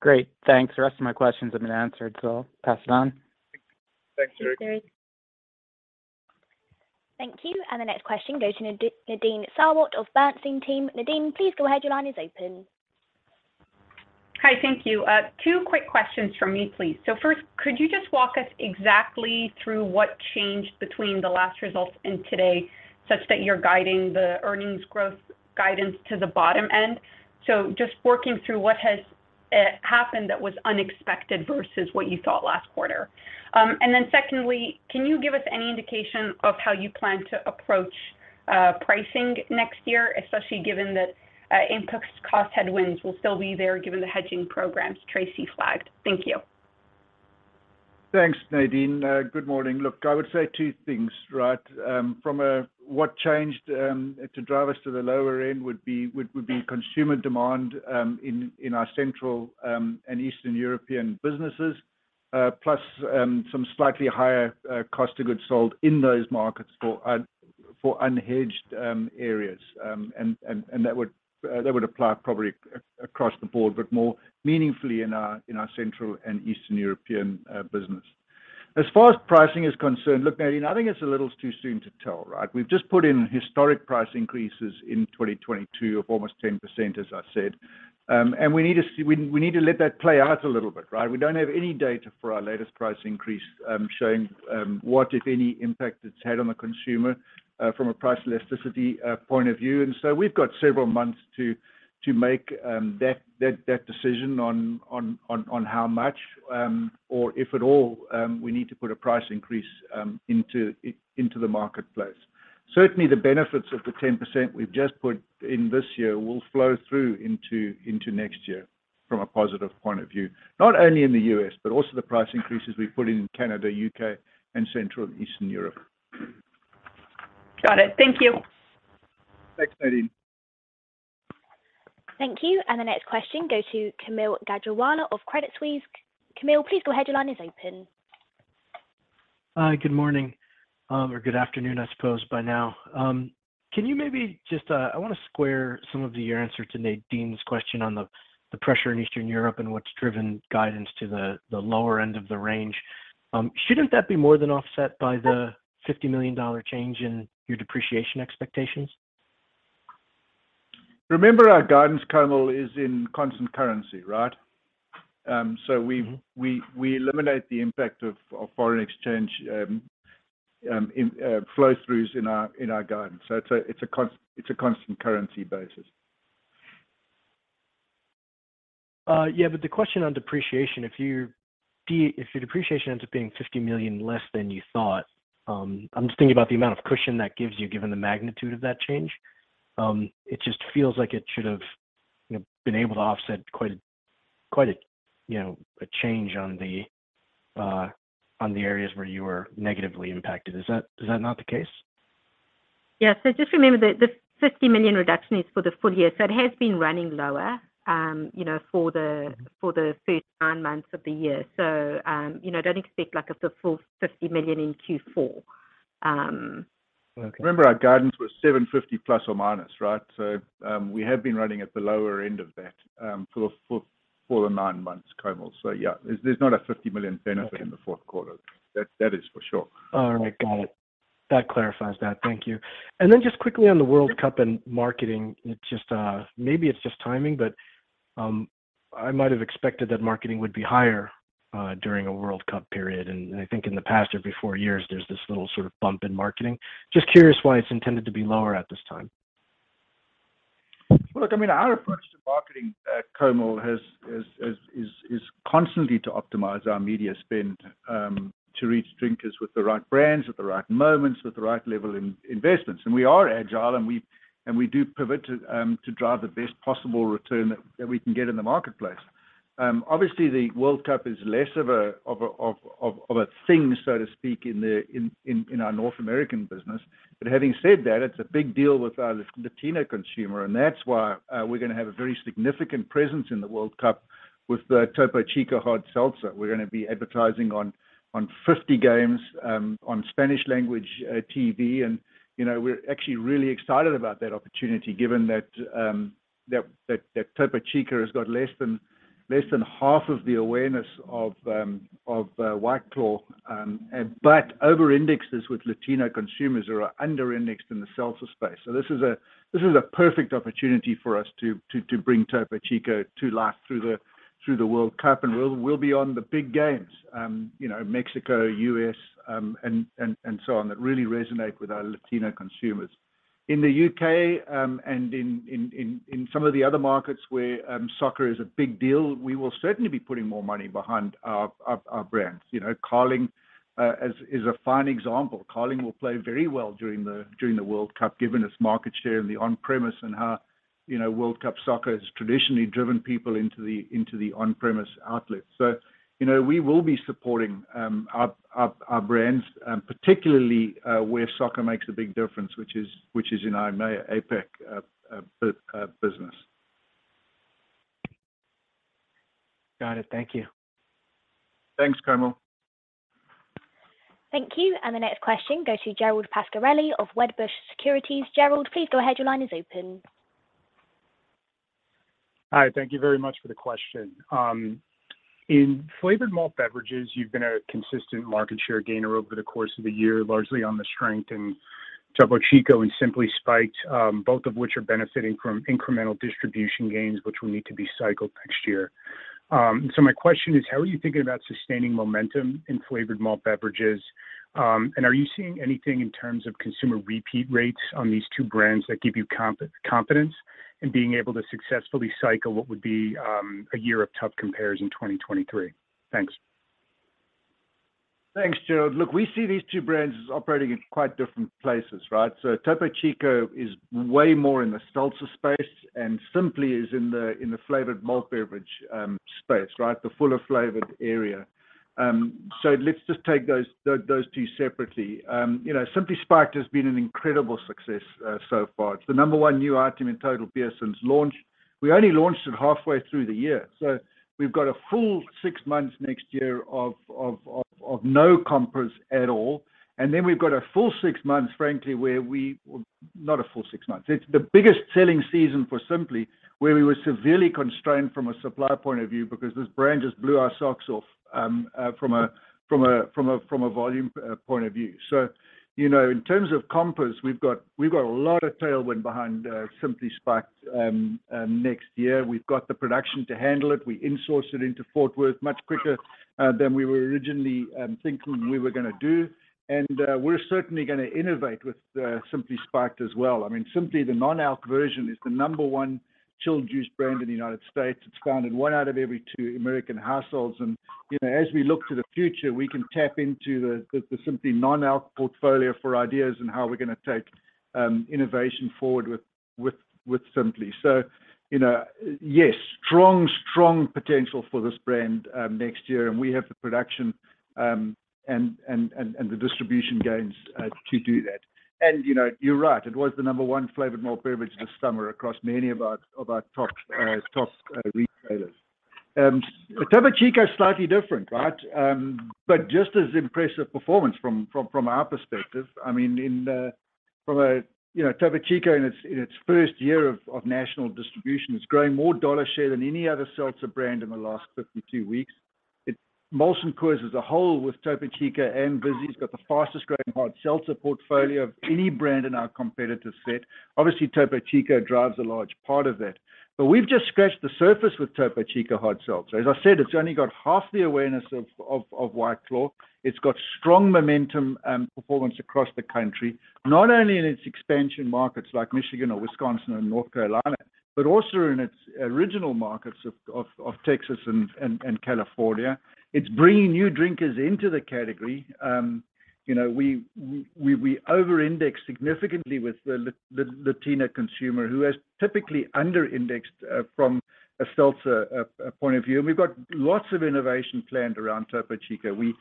Great. Thanks. The rest of my questions have been answered, so I'll pass it on. Thanks, Eric. Thanks, Gavin. Thank you. The next question goes to Nadine Sarwat of Bernstein team. Nadine, please go ahead. Your line is open. Hi. Thank you. Two quick questions from me, please. First, could you just walk us exactly through what changed between the last results and today, such that you're guiding the earnings growth guidance to the bottom end? Just working through what has happened that was unexpected versus what you thought last quarter. Secondly, can you give us any indication of how you plan to approach pricing next year, especially given that input cost headwinds will still be there given the hedging programs Tracey flagged? Thank you. Thanks, Nadine. Good morning. Look, I would say two things, right? From what changed to drive us to the lower end would be consumer demand in our central and Eastern European businesses. Plus some slightly higher cost of goods sold in those markets for unhedged areas. And that would apply probably across the board, but more meaningfully in our central and Eastern European business. As far as pricing is concerned, look, Nadine, I think it's a little too soon to tell, right? We've just put in historic price increases in 2022 of almost 10%, as I said. And we need to see. We need to let that play out a little bit, right? We don't have any data for our latest price increase, showing what, if any, impact it's had on the consumer from a price elasticity point of view. We've got several months to make that decision on how much or if at all we need to put a price increase into the marketplace. Certainly, the benefits of the 10% we've just put in this year will flow through into next year from a positive point of view, not only in the U.S., but also the price increases we've put in Canada, U.K. and Central and Eastern Europe. Got it. Thank you. Thanks, Nadine. Thank you. The next question goes to Kaumil Gajrawala of Credit Suisse. Kaumil, please go ahead. Your line is open. Good morning. Or good afternoon, I suppose by now. Can you maybe just, I wanna square your answer to Nadine's question on the pressure in Eastern Europe and what's driven guidance to the lower end of the range. Shouldn't that be more than offset by the $50 million change in your depreciation expectations? Remember our guidance, Kaumil, is in constant currency, right? Mm-hmm We eliminate the impact of foreign exchange in flow throughs in our guidance. It's a constant currency basis. Yeah. The question on depreciation, if your depreciation ends up being $50 million less than you thought, I'm just thinking about the amount of cushion that gives you, given the magnitude of that change. It just feels like it should have, you know, been able to offset quite a, you know, a change on the areas where you were negatively impacted. Is that not the case? Yeah. Just remember the $50 million reduction is for the full year, so it has been running lower, you know. Mm-hmm. For the first nine months of the year. You know, don't expect like a full $50 million in Q4. Okay. Remember our guidance was $750 ±, right? We have been running at the lower end of that for a full nine months, Kaumil. Yeah, there's not a $50 million benefit- Okay. In the Q4. That is for sure. All right. Got it. That clarifies that. Thank you. Just quickly on the World Cup and marketing, maybe it's just timing, but I might have expected that marketing would be higher during a World Cup period. I think in the past every four years, there's this little sort of bump in marketing. Just curious why it's intended to be lower at this time. Look, I mean, our approach to marketing, Kaumil, is constantly to optimize our media spend, to reach drinkers with the right brands, at the right moments, with the right level investments. We are agile, and we do pivot to drive the best possible return that we can get in the marketplace. Obviously the World Cup is less of a thing, so to speak, in our North American business. Having said that, it's a big deal with our Latina consumer, and that's why we're gonna have a very significant presence in the World Cup with the Topo Chico Hard Seltzer. We're gonna be advertising on 50 games, on Spanish language TV. You know, we're actually really excited about that opportunity given that Topo Chico has got less than half of the awareness of White Claw. But over-indexes with Latino consumers and is under-indexed in the seltzer space. This is a perfect opportunity for us to bring Topo Chico to life through the World Cup. We'll be on the big games, you know, Mexico, U.S., and so on, that really resonate with our Latino consumers. In the U.K. and in some of the other markets where soccer is a big deal, we will certainly be putting more money behind our brands. You know, Carling is a fine example. Carling will play very well during the World Cup, given its market share in the on-premise and how, you know, World Cup soccer has traditionally driven people into the on-premise outlets. You know, we will be supporting our brands, particularly where soccer makes a big difference, which is in our EMEA and APAC business. Got it. Thank you. Thanks, Kaumil. Thank you. The next question goes to Gerald Pascarelli of Wedbush Securities. Gerald, please go ahead. Your line is open. Hi. Thank you very much for the question. In flavored malt beverages, you've been a consistent market share gainer over the course of the year, largely on the strength in Topo Chico and Simply Spiked, both of which are benefiting from incremental distribution gains, which will need to be cycled next year. My question is, how are you thinking about sustaining momentum in flavored malt beverages? Are you seeing anything in terms of consumer repeat rates on these two brands that give you confidence in being able to successfully cycle what would be, a year of tough compares in 2023? Thanks. Thanks, Gerald. Look, we see these two brands as operating in quite different places, right? Topo Chico is way more in the seltzer space, and Simply is in the flavored malt beverage space, right? The fuller flavored area. Let's just take those two separately. You know, Simply Spiked has been an incredible success so far. It's the number one new item in total beer since launch. We only launched it halfway through the year, so we've got a full six months next year of no compares at all. Then we've got a full six months, frankly, where we. Not a full six months. It's the biggest selling season for Simply, where we were severely constrained from a supply point of view because this brand just blew our socks off from a volume point of view. You know, in terms of compares, we've got a lot of tailwind behind Simply Spiked next year. We've got the production to handle it. We insourced it into Fort Worth much quicker than we were originally thinking we were gonna do. We're certainly gonna innovate with Simply Spiked as well. I mean, Simply, the non-alc version, is the number one chilled juice brand in the United States. It's found in one out of every two American households. You know, as we look to the future, we can tap into the Simply non-alc portfolio for ideas and how we're gonna take innovation forward with Simply. You know, yes, strong potential for this brand next year, and we have the production and the distribution gains to do that. You know, you're right. It was the number one flavored malt beverage this summer across many of our top retailers. But Topo Chico's slightly different, right? But just as impressive performance from our perspective. I mean. You know, Topo Chico in its first year of national distribution is growing more dollar share than any other seltzer brand in the last 52 weeks. Molson Coors as a whole with Topo Chico and Vizzy has got the fastest growing hard seltzer portfolio of any brand in our competitor set. Obviously, Topo Chico drives a large part of that. We've just scratched the surface with Topo Chico Hard Seltzer. As I said, it's only got half the awareness of White Claw. It's got strong momentum, performance across the country, not only in its expansion markets like Michigan or Wisconsin or North Carolina, but also in its original markets of Texas and California. It's bringing new drinkers into the category. We over-index significantly with the Latina consumer who has typically under-indexed from a seltzer point of view. We've got lots of innovation planned around Topo Chico. We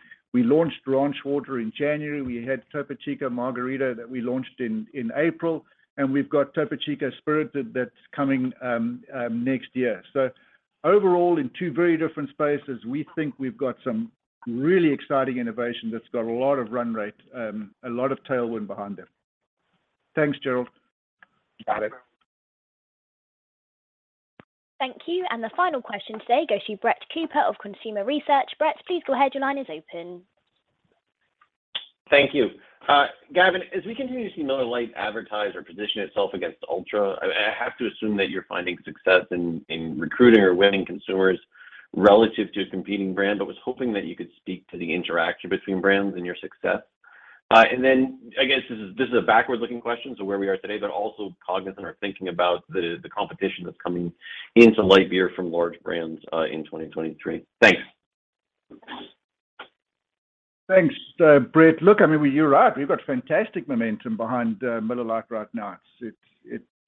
launched Ranch Water in January. We had Topo Chico Margarita that we launched in April, and we've got Topo Chico Spirited that's coming next year. Overall, in two very different spaces, we think we've got some really exciting innovation that's got a lot of run rate, a lot of tailwind behind it. Thanks, Gerald. Got it. Thank you. The final question today goes to Brett Cooper of Consumer Edge Research. Brett, please go ahead. Your line is open. Thank you. Gavin, as we continue to see Miller Lite advertise or position itself against Ultra, I have to assume that you're finding success in recruiting or winning consumers relative to a competing brand, but I was hoping that you could speak to the interaction between brands and your success. And then, I guess this is a backward-looking question, so where we are today, but also cognizant or thinking about the competition that's coming into light beer from large brands in 2023. Thanks. Thanks, Brett. Look, I mean, well, you're right. We've got fantastic momentum behind Miller Lite right now.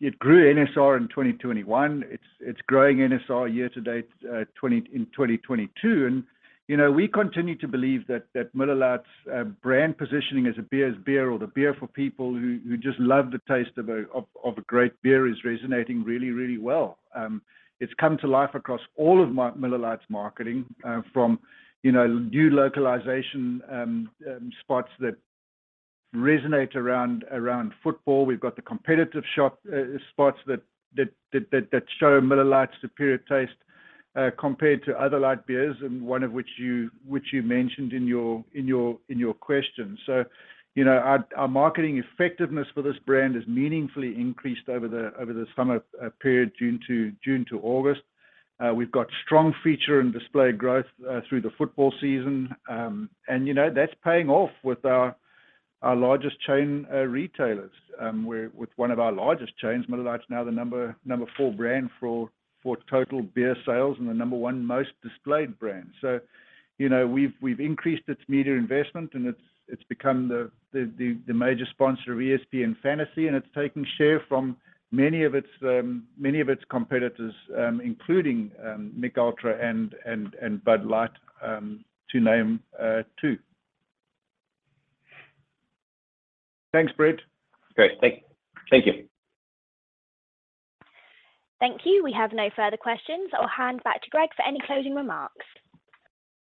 It grew NSR in 2021. It's growing NSR year to date in 2022. You know, we continue to believe that Miller Lite's brand positioning as a beer's beer or the beer for people who just love the taste of a great beer is resonating really well. It's come to life across all of Miller Lite's marketing from new localization spots that resonate around football. We've got the competitive spots that show Miller Lite's superior taste compared to other light beers, and one of which you mentioned in your question. You know, our marketing effectiveness for this brand has meaningfully increased over the summer period, June to August. We've got strong feature and display growth through the football season. You know, that's paying off with our largest chain retailers. With one of our largest chains, Miller Lite's now the number four brand for total beer sales and the number one most displayed brand. You know, we've increased its media investment, and it's become the major sponsor of ESPN Fantasy, and it's taking share from many of its competitors, including Michelob Ultra and Bud Light, to name two. Thanks, Brett. Great. Thank you. Thank you. We have no further questions. I'll hand back to Greg for any closing remarks.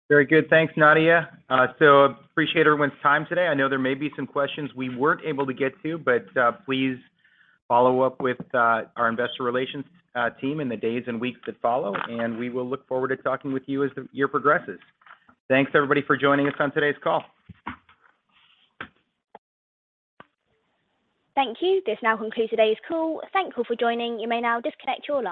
Very good. Thanks, Nadia. Appreciate everyone's time today. I know there may be some questions we weren't able to get to, but please follow up with our investor relations team in the days and weeks that follow, and we will look forward to talking with you as the year progresses. Thanks, everybody, for joining us on today's call. Thank you. This now concludes today's call. Thank you for joining. You may now disconnect your lines.